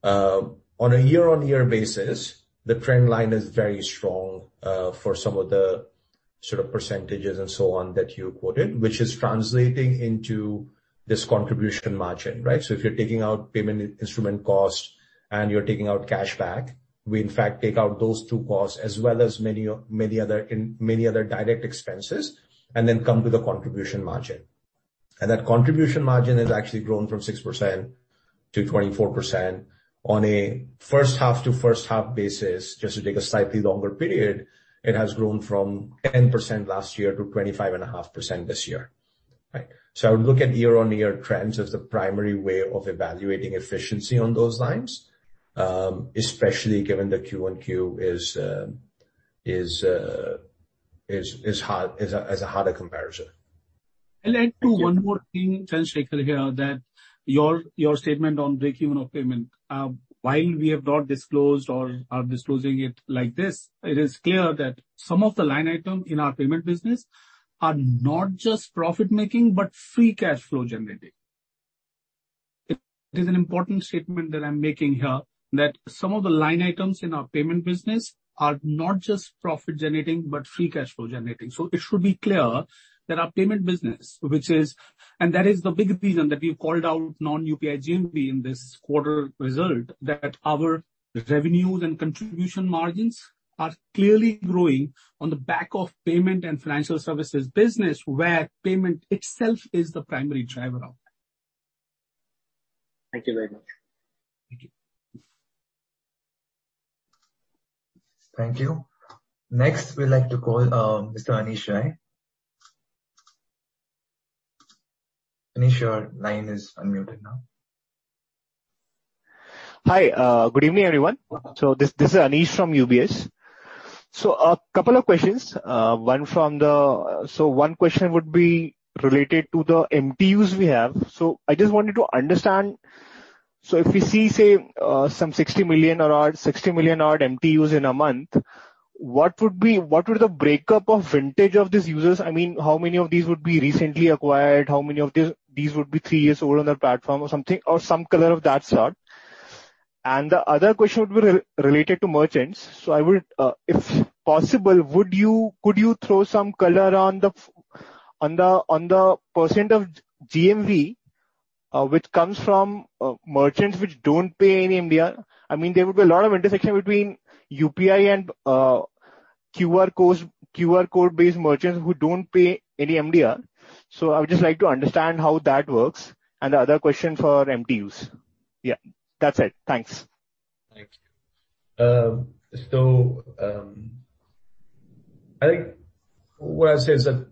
On a year-on-year basis, the trend line is very strong for some of the sort of percentages and so on that you quoted, which is translating into this contribution margin, right? If you're taking out payment instrument cost and you're taking out cashback, we in fact take out those two costs as well as many other direct expenses, and then come to the contribution margin. That contribution margin has actually grown from 6% to 24%. On a first half to first half basis, just to take a slightly longer period, it has grown from 10% last year to 25.5% this year. Right? I would look at year-on-year trends as the primary way of evaluating efficiency on those lines, especially given the Q-on-Q is a harder comparison. I'd like to tell Shekhar one more thing here that your statement on breakeven of payment, while we have not disclosed or are disclosing it like this, it is clear that some of the line items in our payment business are not just profit-making but free cash flow generating. It is an important statement that I'm making here, that some of the line items in our payment business are not just profit generating, but free cash flow generating. It should be clear that our payment business. That is the big reason that we've called out non-UPI GMV in this quarter result, that our revenues and contribution margins are clearly growing on the back of payment and financial services business, where payment itself is the primary driver of that. Thank you very much. Thank you. Thank you. Next, we'd like to call Mr. Anish Rai. Anish, your line is unmuted now. Hi. Good evening, everyone. This is Anish from UBS. A couple of questions, one from the. One question would be related to the MTUs we have. I just wanted to understand, if we see, say, some 60 million odd MTUs in a month, what would the breakup of vintage of these users be? I mean, how many of these would be recently acquired? How many of these would be three years old on their platform or something, or some color of that sort. The other question would be related to merchants. If possible, could you throw some color on the percent of GMV which comes from merchants which don't pay any MDR? I mean, there would be a lot of intersection between UPI and QR codes, QR code-based merchants who don't pay any MDR. So I would just like to understand how that works. The other question for MTUs. Yeah, that's it. Thanks. Thank you. I think what I'd say is that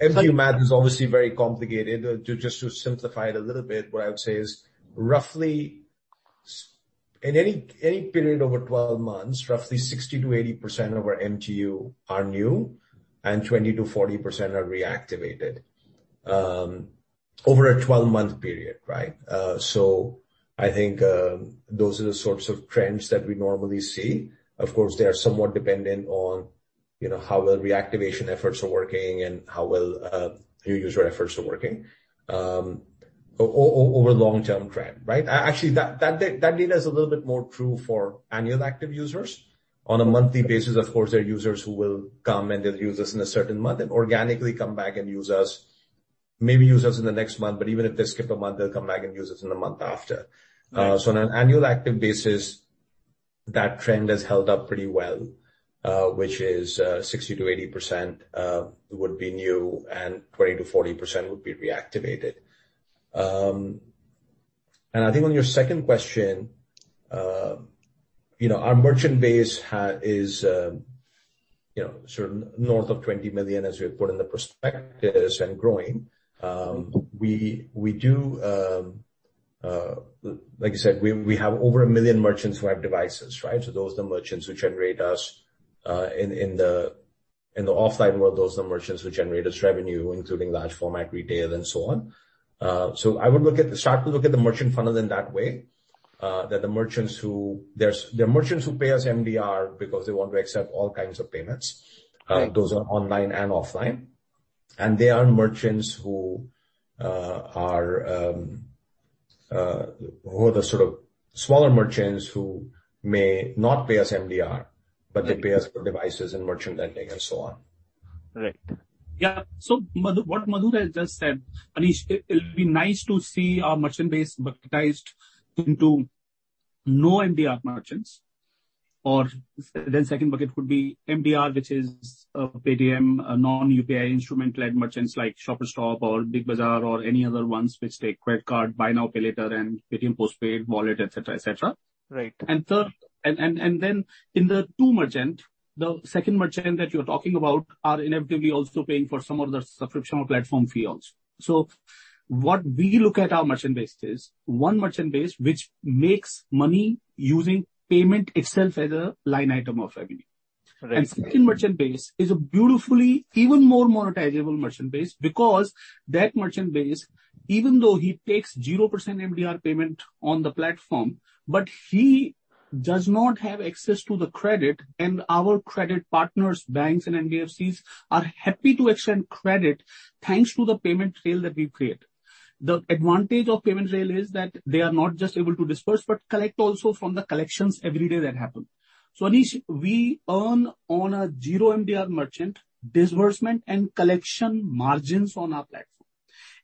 MTU math is obviously very complicated. Just to simplify it a little bit, what I would say is roughly in any period over 12 months, roughly 60%-80% of our MTU are new and 20%-40% are reactivated. Over a 12-month period, right? I think those are the sorts of trends that we normally see. Of course, they are somewhat dependent on, you know, how well reactivation efforts are working and how well new user efforts are working over long-term trend, right? Actually, that data is a little bit more true for annual active users. On a monthly basis, of course, there are users who will come and they'll use us in a certain month and organically come back and use us, maybe use us in the next month, but even if they skip a month, they'll come back and use us in the month after. Right. On an annual active basis, that trend has held up pretty well, which is 60%-80% would be new and 20%-40% would be reactivated. I think on your second question, you know, our merchant base is, you know, sort of north of 20 million, as we have put in the prospectus, and growing. We do, like you said, we have over 1 million merchants who have devices, right? So those are the merchants who generate us revenue in the offline world, those are the merchants who generate us revenue, including large format retail and so on. I would start to look at the merchant funnel in that way. That the merchants who... There are merchants who pay us MDR because they want to accept all kinds of payments. Right. Those are online and offline. There are merchants who are the sort of smaller merchants who may not pay us MDR- Right. They pay us for devices and merchant lending and so on. Right. What Madhu has just said, Anish, it'll be nice to see our merchant base bucketized into no MDR merchants or the second bucket would be MDR, which is Paytm non-UPI instrument-led merchants like Shoppers Stop or Big Bazaar or any other ones which take credit card, buy now, pay later and Paytm Postpaid, wallet, et cetera, et cetera. Right. in the two merchant, the second merchant that you're talking about are inevitably also paying for some of the subscription or platform fees also. What we look at our merchant base is one merchant base which makes money using payment itself as a line item of revenue. Correct. Second merchant base is a beautifully even more monetizable merchant base because that merchant base, even though he takes 0% MDR payment on the platform, but he does not have access to the credit and our credit partners, banks and NBFCs are happy to extend credit thanks to the payment rail that we create. The advantage of payment rail is that they are not just able to disperse, but collect also from the collections every day that happen. Anish, we earn on a 0% MDR merchant disbursement and collection margins on our platform.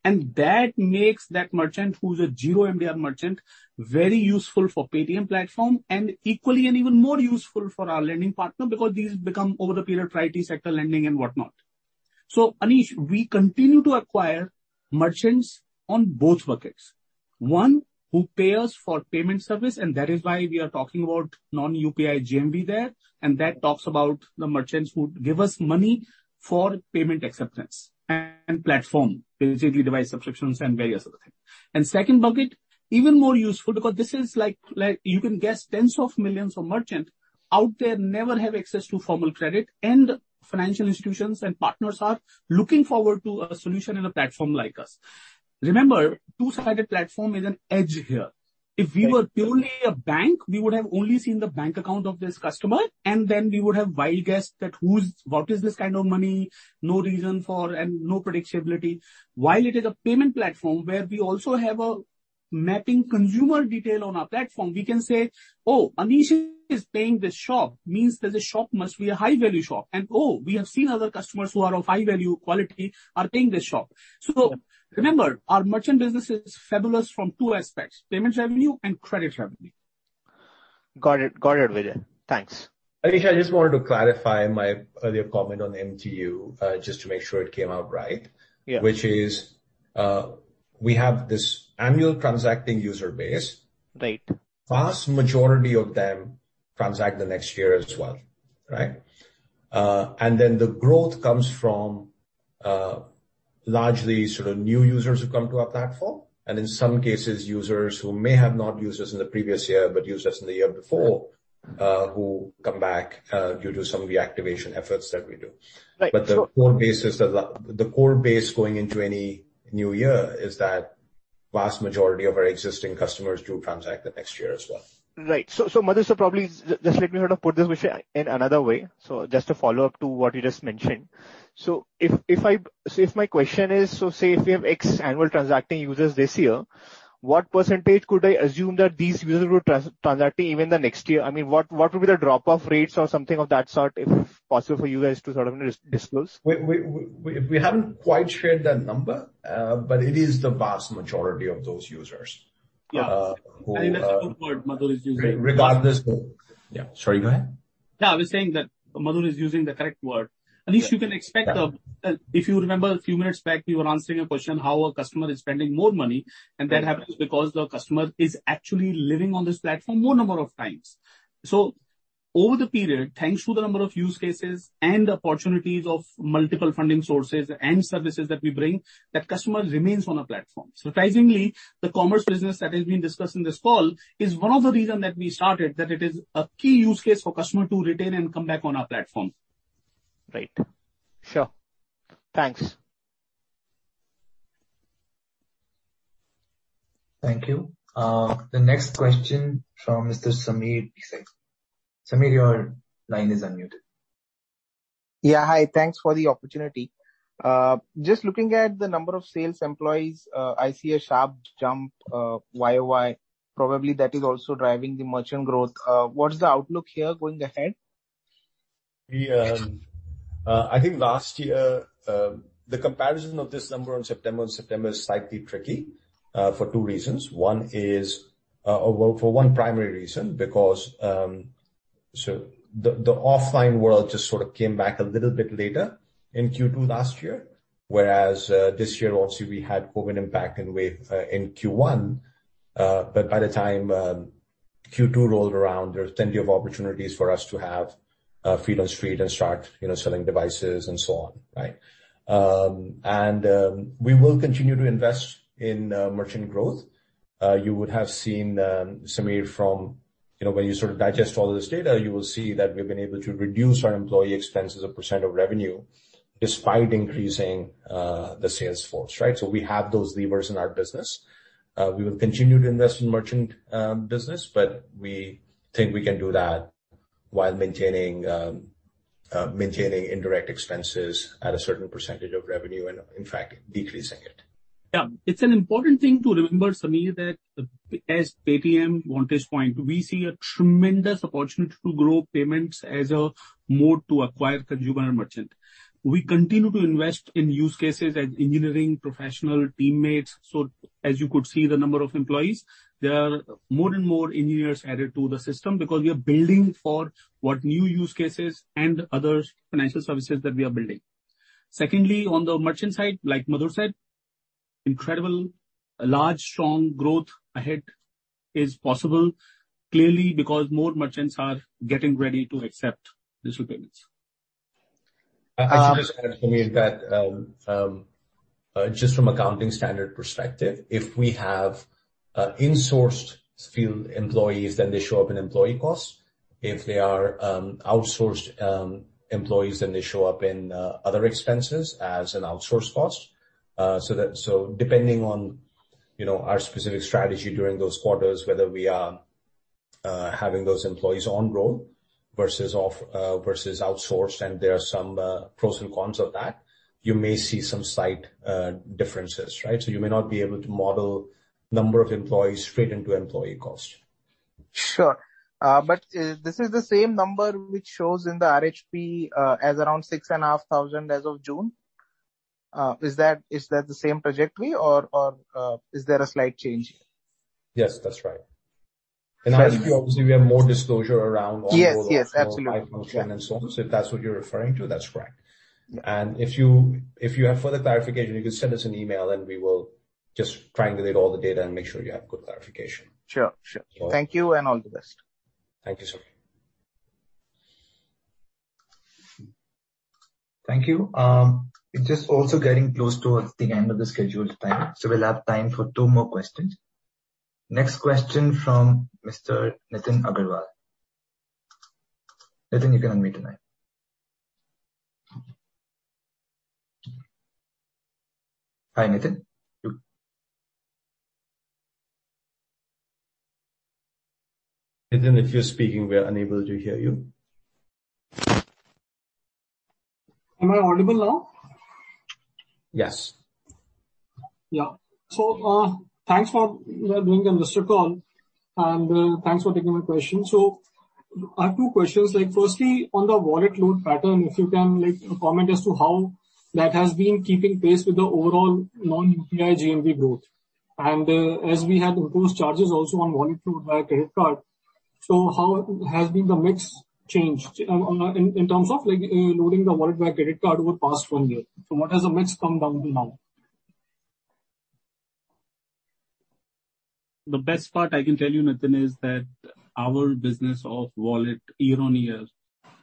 That makes that merchant who's a 0% MDR merchant, very useful for Paytm platform and equally and even more useful for our lending partner because these become over the period priority sector lending and whatnot. Anish, we continue to acquire merchants on both buckets. One, who pay us for payment service, and that is why we are talking about non-UPI GMV there, and that talks about the merchants who give us money for payment acceptance and platform, basically device subscriptions and various other things. Second bucket, even more useful because this is like you can guess tens of millions of merchants out there never have access to formal credit and financial institutions and partners are looking forward to a solution in a platform like us. Remember, two-sided platform is an edge here. If we were purely a bank, we would have only seen the bank account of this customer, and then we would have wild guessed that what is this kind of money, no reason for and no predictability. While it is a payment platform where we also have a mapping consumer detail on our platform, we can say, "Oh, Anish is paying this shop, means that the shop must be a high-value shop. And oh, we have seen other customers who are of high value, quality, are paying this shop." Remember, our merchant business is fabulous from two aspects, payments revenue and credit revenue. Got it. Got it, Vijay. Thanks. Anish, I just wanted to clarify my earlier comment on MTU, just to make sure it came out right. Yeah. Which is, we have this annual transacting user base. Right. Vast majority of them transact the next year as well, right? The growth comes from, largely sort of new users who come to our platform, and in some cases, users who may have not used us in the previous year, but used us in the year before, who come back, due to some reactivation efforts that we do. Right. The core base going into any new year is that vast majority of our existing customers do transact the next year as well. Right. Madhur, probably just let me sort of put this question in another way. Just to follow up to what you just mentioned. If my question is, say if we have X annual transacting users this year, what percentage could I assume that these users will transact even the next year? I mean, what would be the drop-off rates or something of that sort, if possible for you guys to sort of disclose? We haven't quite shared that number, but it is the vast majority of those users. Yeah. Uh, who, uh- I think that's a good word Madhur is using. Yeah. Sorry, go ahead. No, I was saying that Madhur is using the correct word. At least you can expect. If you remember a few minutes back, we were answering a question how a customer is spending more money, and that happens because the customer is actually living on this platform more number of times. Over the period, thanks to the number of use cases and opportunities of multiple funding sources and services that we bring, that customer remains on a platform. Surprisingly, the commerce business that has been discussed in this call is one of the reason that we started, that it is a key use case for customer to retain and come back on our platform. Right. Sure. Thanks. Thank you. The next question from Mr. Sameer Bhise. Sameer, your line is unmuted. Yeah. Hi. Thanks for the opportunity. Just looking at the number of sales employees, I see a sharp jump, YOY. Probably that is also driving the merchant growth. What is the outlook here going ahead? I think last year, the comparison of this number on September to September is slightly tricky for two reasons. One is, well, for one primary reason because so the offline world just sort of came back a little bit later in Q2 last year, whereas this year obviously we had COVID impact and wave in Q1. By the time Q2 rolled around, there was plenty of opportunities for us to have freedom to start, you know, selling devices and so on, right? We will continue to invest in merchant growth. You would have seen, Sameer, from, you know, when you sort of digest all this data, you will see that we've been able to reduce our employee expenses as a % of revenue despite increasing the sales force, right? We have those levers in our business. We will continue to invest in merchant business, but we think we can do that while maintaining indirect expenses at a certain % of revenue and, in fact, decreasing it. Yeah. It's an important thing to remember, Sameer, that from Paytm's vantage point, we see a tremendous opportunity to grow payments as a mode to acquire consumers and merchants. We continue to invest in use cases and engineering professionals and teams. As you could see the number of employees, there are more and more engineers added to the system because we are building for the new use cases and other financial services that we are building. Secondly, on the merchant side, like Madhur said, incredibly large, strong growth ahead is possible, clearly because more merchants are getting ready to accept digital payments. I should just add, Sameer, that just from accounting standard perspective, if we have insourced field employees, then they show up in employee costs. If they are outsourced employees, then they show up in other expenses as an outsourced cost. Depending on you know our specific strategy during those quarters, whether we are having those employees on roll versus off versus outsourced, and there are some pros and cons of that, you may see some slight differences, right? You may not be able to model number of employees straight into employee costs. Sure. This is the same number which shows in the RHP, as around 6,500 as of June. Is that the same trajectory or is there a slight change here? Yes, that's right. In RHP obviously we have more disclosure around and so on. Yes. Yes, absolutely. If that's what you're referring to, that's correct. If you have further clarification, you can send us an email and we will just triangulate all the data and make sure you have good clarification. Sure. So- Thank you and all the best. Thank you, Sameer. Thank you. It is also getting close towards the end of the scheduled time, so we'll have time for two more questions. Next question from Mr. Nitin Aggarwal. Nitin, you can unmute your line. Hi, Nitin. Nitin, if you're speaking, we are unable to hear you. Am I audible now? Yes. Yeah. Thanks for doing the investor call and thanks for taking my question. I have two questions. Like, firstly, on the wallet load pattern, if you can like comment as to how that has been keeping pace with the overall non-UPI GMV growth. As we had imposed charges also on wallet load via credit card. How has been the mix changed, in terms of like, loading the wallet via credit card over the past one year? What has the mix come down to now? The best part I can tell you, Nitin, is that our business of wallet year-on-year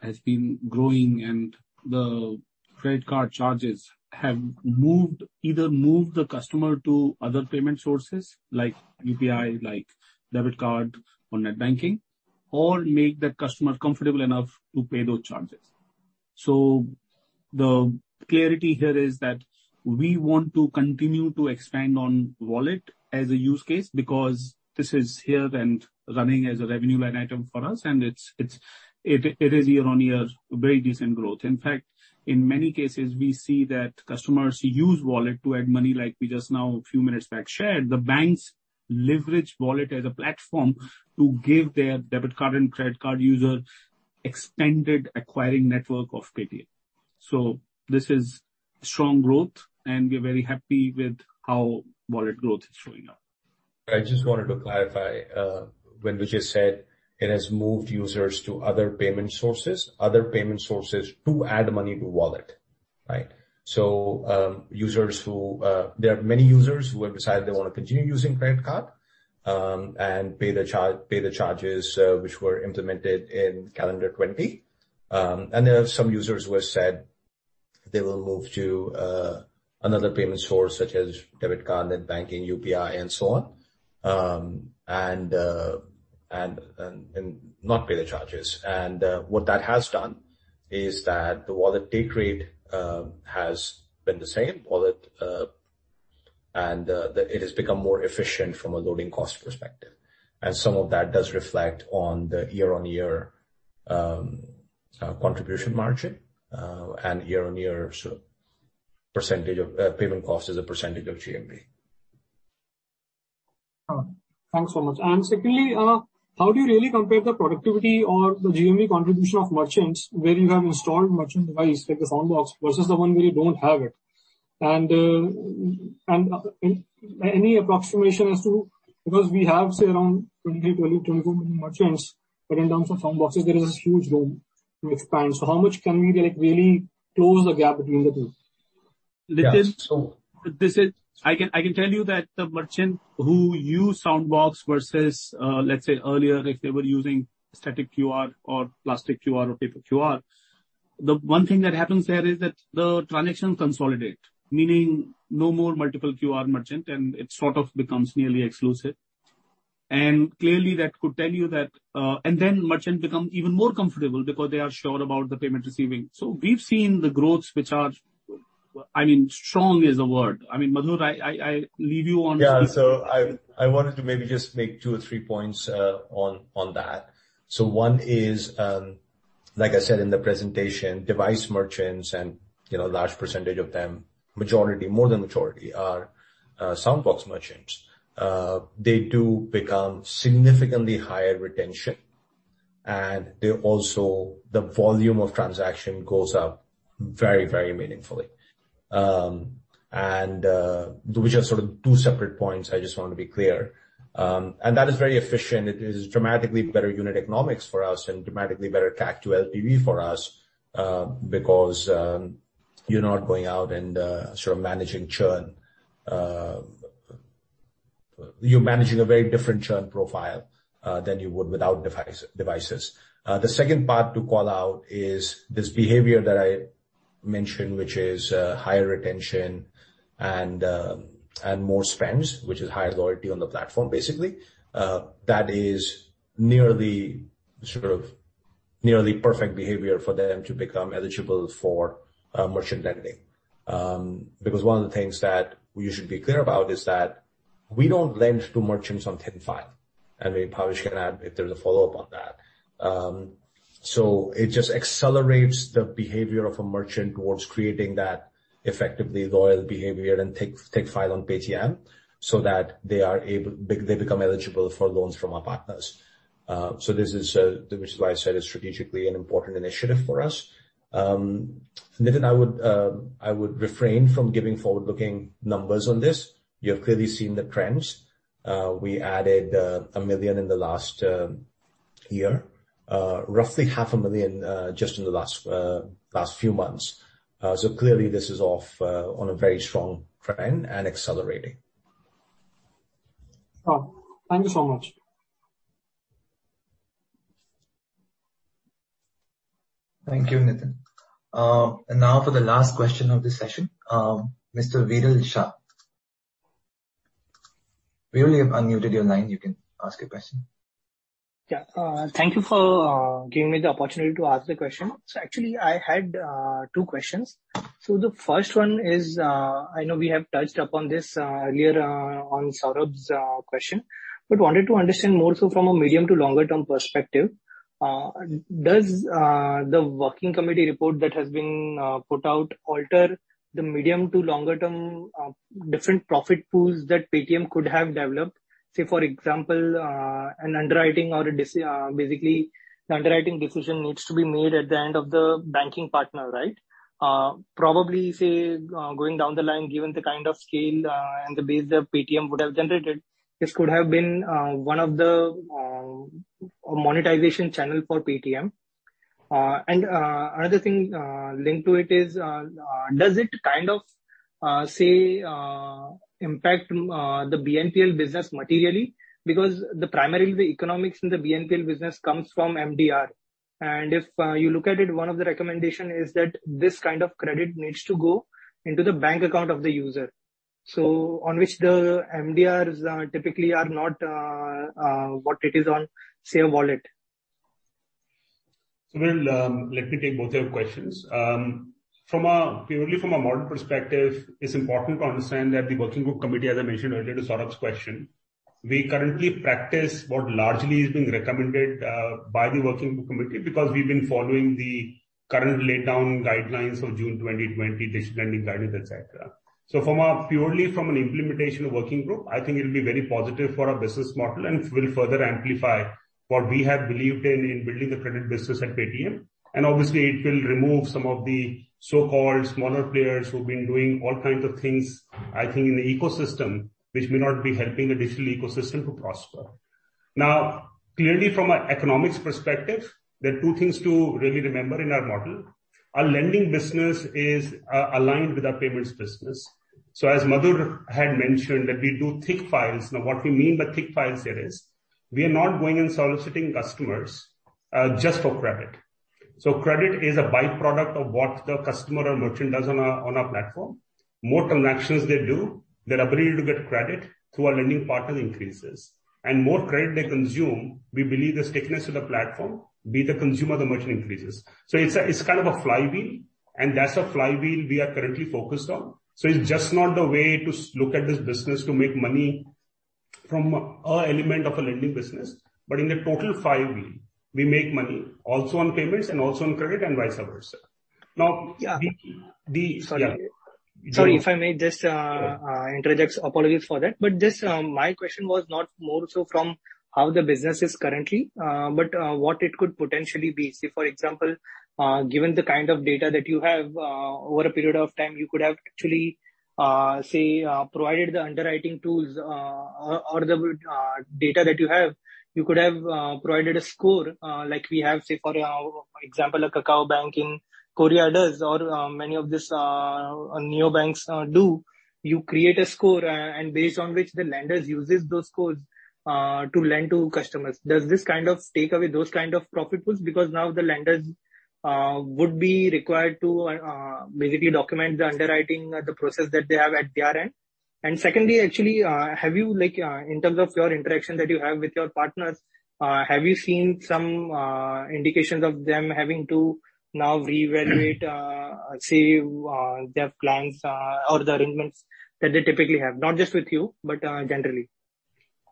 has been growing, and the credit card charges have moved either the customer to other payment sources like UPI, like debit card or net banking, or made the customer comfortable enough to pay those charges. The clarity here is that we want to continue to expand on wallet as a use case because this is here and running as a revenue line item for us and it is year-on-year a very decent growth. In fact, in many cases, we see that customers use wallet to add money, like we just now a few minutes back shared. The banks leverage wallet as a platform to give their debit card and credit card users extended acquiring network of Paytm. This is strong growth, and we're very happy with how wallet growth is showing up. I just wanted to clarify when Vijay said it has moved users to other payment sources to add money to wallet, right? There are many users who have decided they wanna continue using credit card and pay the charges which were implemented in calendar 2020. There are some users who have said they will move to another payment source, such as debit card, net banking, UPI and so on, and not pay the charges. What that has done is that the wallet take rate has been the same. It has become more efficient from a loading cost perspective. Some of that does reflect on the year-on-year contribution margin, and year-on-year, sort of, percentage of payment cost as a percentage of GMV. Thanks so much. Secondly, how do you really compare the productivity or the GMV contribution of merchants where you have installed merchant device like the Soundbox versus the one where you don't have it? Any approximation as to because we have, say around 24 million merchants, but in terms of Soundboxes, there is a huge room to expand. How much can we like really close the gap between the two? Nitin, this is—I can tell you that the merchants who use soundbox versus, let's say earlier if they were using static QR or plastic QR or paper QR, the one thing that happens there is that the transactions consolidate. Meaning no more multiple QR merchant and it sort of becomes nearly exclusive. Clearly that could tell you that. Then merchants become even more comfortable because they are sure about the payment receiving. We've seen the growths which are, I mean, strong is the word. I mean, Madhur, I leave you on. I wanted to maybe just make two or three points on that. One is, like I said in the presentation, device merchants and a large percentage of them, majority, more than majority are Soundbox merchants. They have significantly higher retention and they also, the transaction volume goes up very meaningfully. Which are sort of two separate points, I just want to be clear. That is very efficient. It is dramatically better unit economics for us and dramatically better CAC to LTV for us, because you're not going out and sort of managing churn. You're managing a very different churn profile than you would without devices. The second part to call out is this behavior that I mentioned, which is higher retention and more spends, which is higher loyalty on the platform, basically. That is nearly, sort of nearly perfect behavior for them to become eligible for merchant lending. One of the things that we should be clear about is that we don't lend to merchants on thin file. Maybe Bhavesh can add if there's a follow-up on that. It just accelerates the behavior of a merchant towards creating that effectively loyal behavior and thick file on Paytm so that they become eligible for loans from our partners. This is why I said it's strategically an important initiative for us. Nitin, I would refrain from giving forward-looking numbers on this. You've clearly seen the trends. We added 1 million in the last year. Roughly half a million just in the last few months. Clearly this is off on a very strong trend and accelerating. Oh, thank you so much. Thank you, Nitin. Now for the last question of this session, Mr. Viral Shah. We only have unmuted your line, you can ask your question. Yeah, thank you for giving me the opportunity to ask the question. Actually I had two questions. The first one is, I know we have touched upon this earlier on Saurav's question, but wanted to understand more so from a medium to longer term perspective. Does the working committee report that has been put out alter the medium to longer term different profit pools that Paytm could have developed? Say, for example, an underwriting or basically, the underwriting decision needs to be made at the end of the banking partner, right? Probably say, going down the line, given the kind of scale and the base that Paytm would have generated, this could have been one of the monetization channel for Paytm. Another thing linked to it is, does it kind of, say, impact the BNPL business materially? Because primarily the economics in the BNPL business comes from MDR. If you look at it, one of the recommendation is that this kind of credit needs to go into the bank account of the user. On which the MDRs are typically not what it is on, say, a wallet. Viral, let me take both your questions. Purely from a model perspective, it's important to understand that the working group committee, as I mentioned earlier to Saurav's question, we currently practice what largely is being recommended by the working group committee because we've been following the current laid down guidelines of June 2020 digital lending guidance, et cetera. Purely from an implementation working group, I think it'll be very positive for our business model and will further amplify what we have believed in building the credit business at Paytm. Obviously it will remove some of the so-called smaller players who've been doing all kinds of things, I think in the ecosystem, which may not be helping the digital ecosystem to prosper. Now, clearly from an economics perspective, there are two things to really remember in our model. Our lending business is aligned with our payments business. As Madhur had mentioned that we do thick files. Now what we mean by thick files here is, we are not going and soliciting customers just for credit. Credit is a by-product of what the customer or merchant does on our platform. More transactions they do, their ability to get credit through our lending partner increases. More credit they consume, we believe the stickiness of the platform, be it the consumer, the merchant increases. It's kind of a flywheel, and that's a flywheel we are currently focused on. It's just not the way to look at this business to make money from an element of a lending business. In the total flywheel, we make money also on payments and also on credit and vice versa. Now the Yeah. Sorry. Yeah. Sorry if I may just interject. Apologies for that. Just my question was not more so from how the business is currently, but what it could potentially be. Say, for example, given the kind of data that you have over a period of time, you could have actually say provided the underwriting tools or the data that you have, you could have provided a score like we have, say for example, like KakaoBank in Korea does or many of these neobanks do. You create a score and based on which the lenders uses those scores to lend to customers. Does this kind of take away those kind of profit pools? Because now the lenders would be required to basically document the underwriting, the process that they have at their end. Secondly, actually, have you like in terms of your interaction that you have with your partners, have you seen some indications of them having to now reevaluate say their plans or the arrangements that they typically have? Not just with you, but generally.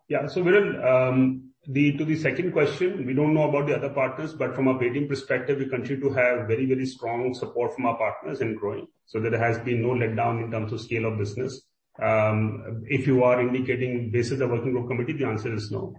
Yeah. Viral, to the second question, we don't know about the other partners, but from a Paytm perspective, we continue to have very, very strong support from our partners and growing. There has been no letdown in terms of scale of business. If you are indicating basis of working group committee, the answer is no.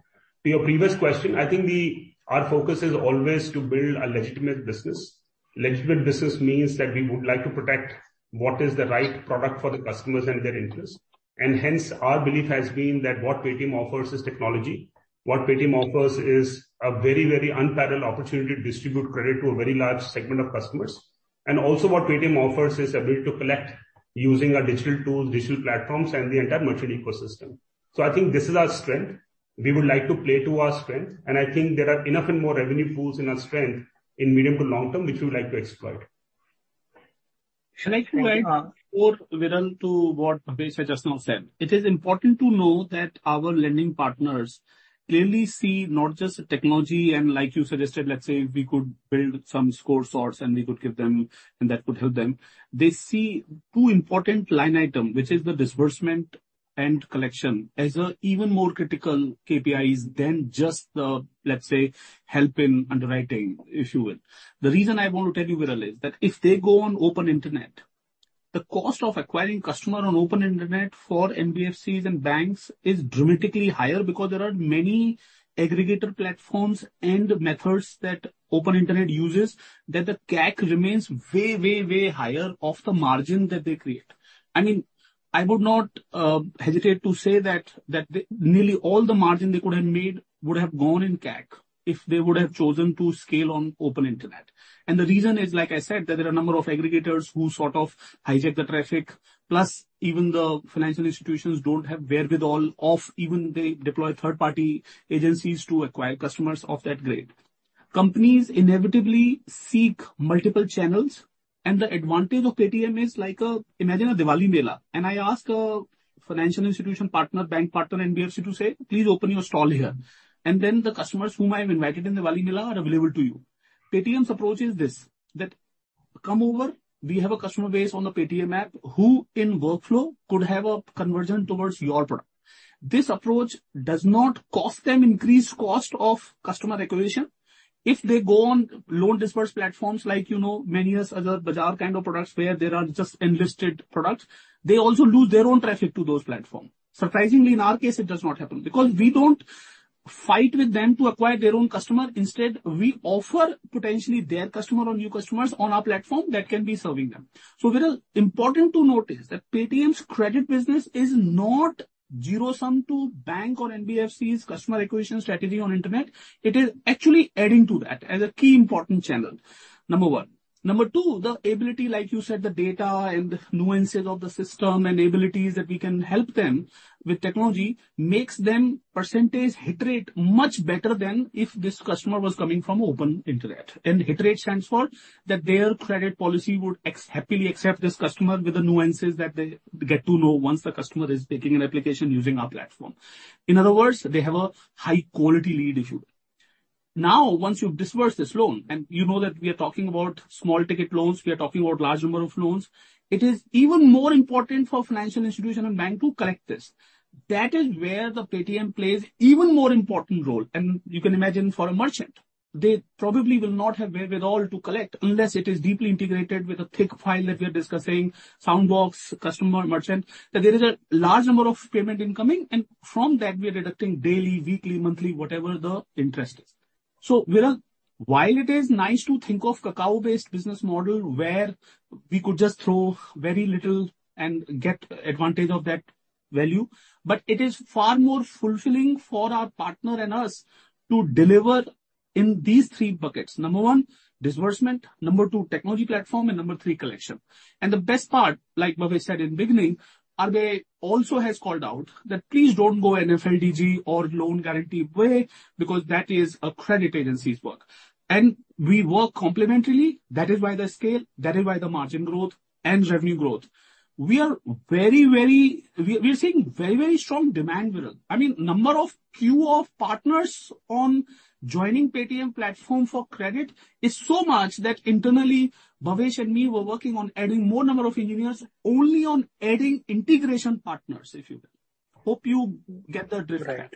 To your previous question, I think we, our focus is always to build a legitimate business. Legitimate business means that we would like to protect what is the right product for the customers and their interest. Hence our belief has been that what Paytm offers is technology. What Paytm offers is a very, very unparalleled opportunity to distribute credit to a very large segment of customers. What Paytm offers is ability to collect using our digital tools, digital platforms, and the entire merchant ecosystem. I think this is our strength. We would like to play to our strength, and I think there are enough and more revenue pools in our strength in medium to long term which we would like to exploit. Thank you. Should I add more, Viral Shah, to what Bhavesh Gupta just now said? It is important to know that our lending partners clearly see not just the technology and like you suggested, let's say we could build some score source and we could give them and that would help them. They see two important line item, which is the disbursement and collection, as even more critical KPIs than just the, let's say, help in underwriting, if you will. The reason I want to tell you, Viral Shah, is that if they go on open internet, the cost of acquiring customer on open internet for NBFCs and banks is dramatically higher because there are many aggregator platforms and methods that open internet uses that the CAC remains way, way higher of the margin that they create. I mean, I would not hesitate to say that nearly all the margin they could have made would have gone in CAC if they would have chosen to scale on open internet. The reason is, like I said, that there are a number of aggregators who sort of hijack the traffic, plus even the financial institutions don't have the wherewithal. Even they deploy third party agencies to acquire customers of that grade. Companies inevitably seek multiple channels. The advantage of Paytm is like a Diwali Mela. Imagine a Diwali Mela, and I ask a financial institution partner, bank partner, NBFC to say, "Please open your stall here," and then the customers whom I have invited in Diwali Mela are available to you. Paytm's approach is this, that come over, we have a customer base on the Paytm app who in workflow could have a conversion towards your product. This approach does not cost them increased cost of customer acquisition. If they go on loan disperse platforms like, you know, many other BankBazaar kind of products where there are just listed products, they also lose their own traffic to those platforms. Surprisingly, in our case, it does not happen because we don't fight with them to acquire their own customer. Instead, we offer potentially their customer or new customers on our platform that can be serving them. Viral, important to note is that Paytm's credit business is not zero-sum to bank or NBFCs customer acquisition strategy on internet. It is actually adding to that as a key important channel, number one. Number 2, the ability, like you said, the data and nuances of the system and abilities that we can help them with technology makes their percentage hit rate much better than if this customer was coming from open internet. Hit rate stands for that their credit policy would happily accept this customer with the nuances that they get to know once the customer is taking an application using our platform. In other words, they have a high quality lead, if you will. Now, once you've disbursed this loan, and you know that we are talking about small ticket loans, we are talking about large number of loans, it is even more important for financial institution and bank to collect this. That is where the Paytm plays even more important role. You can imagine for a merchant, they probably will not have wherewithal to collect unless it is deeply integrated with a thick file that we are discussing, Soundbox, customer, merchant, that there is a large number of payments incoming, and from that we are deducting daily, weekly, monthly, whatever the interest is. Viral, while it is nice to think of Kakao-based business model where we could just throw very little and get advantage of that value, but it is far more fulfilling for our partner and us to deliver in these three buckets. Number one, disbursement. Number two, technology platform. Number three, collection. The best part, like Bhavesh said in the beginning, RBI also has called out that please don't go FLDG or loan guarantee way because that is a credit agency's work. We work complementarily. That is why the scale, that is why the margin growth and revenue growth. We are seeing very strong demand, Viral. I mean, number of queue of partners on joining Paytm platform for credit is so much that internally, Bhavesh and me were working on adding more number of engineers only on adding integration partners, if you will. Hope you get the drift. Right. Right.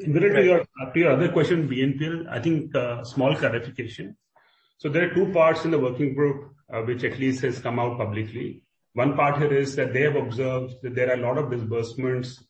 Viral, your other question, BNPL, I think, small clarification. There are two parts in the working group, which at least has come out publicly. One part here is that they have observed that there are a lot of disbursements,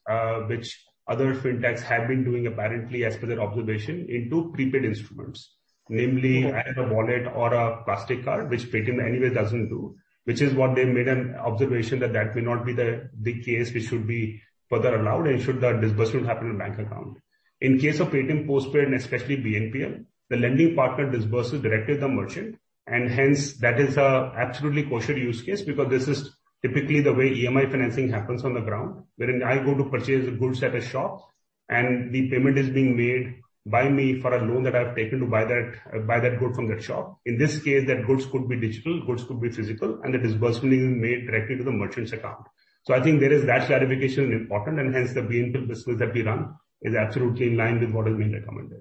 which other fintechs have been doing apparently as per their observation into prepaid instruments, namely as a wallet or a plastic card, which Paytm anyway doesn't do, which is what they made an observation that that may not be the case which should be further allowed and should the disbursement happen in bank account. In case of Paytm Postpaid and especially BNPL, the lending partner disburses directly to the merchant, and hence that is a absolutely kosher use case because this is typically the way EMI financing happens on the ground. Wherein I go to purchase goods at a shop and the payment is being made by me for a loan that I've taken to buy that good from that shop. In this case, that goods could be digital, goods could be physical, and the disbursement is made directly to the merchant's account. I think there is that clarification is important and hence the BNPL business that we run is absolutely in line with what has been recommended.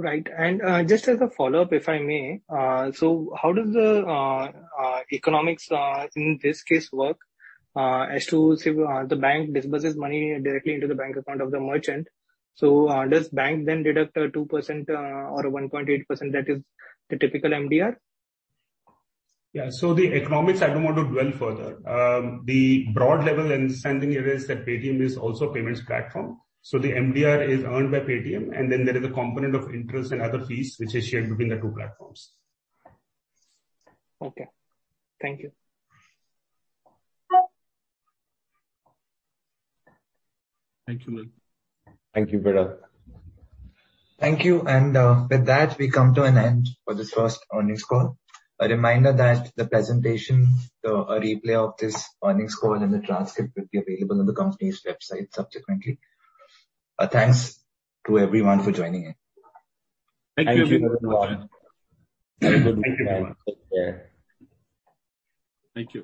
Right. Just as a follow-up, if I may, so how does the economics in this case work, as to say, the bank disburses money directly into the bank account of the merchant? Does the bank then deduct 2% or 1.8% that is the typical MDR? Yeah. The economics I don't want to dwell further. The broad level understanding here is that Paytm is also payments platform. The MDR is earned by Paytm and then there is a component of interest and other fees which is shared between the two platforms. Okay. Thank you. Thank you, Viral. Thank you, Viral. Thank you. With that, we come to an end for this first earnings call. A reminder that the presentation, the replay of this earnings call and the transcript will be available on the company's website subsequently. A thanks to everyone for joining in. Thank you. Thank you very much. Thank you. Have a good week. Take care. Thank you.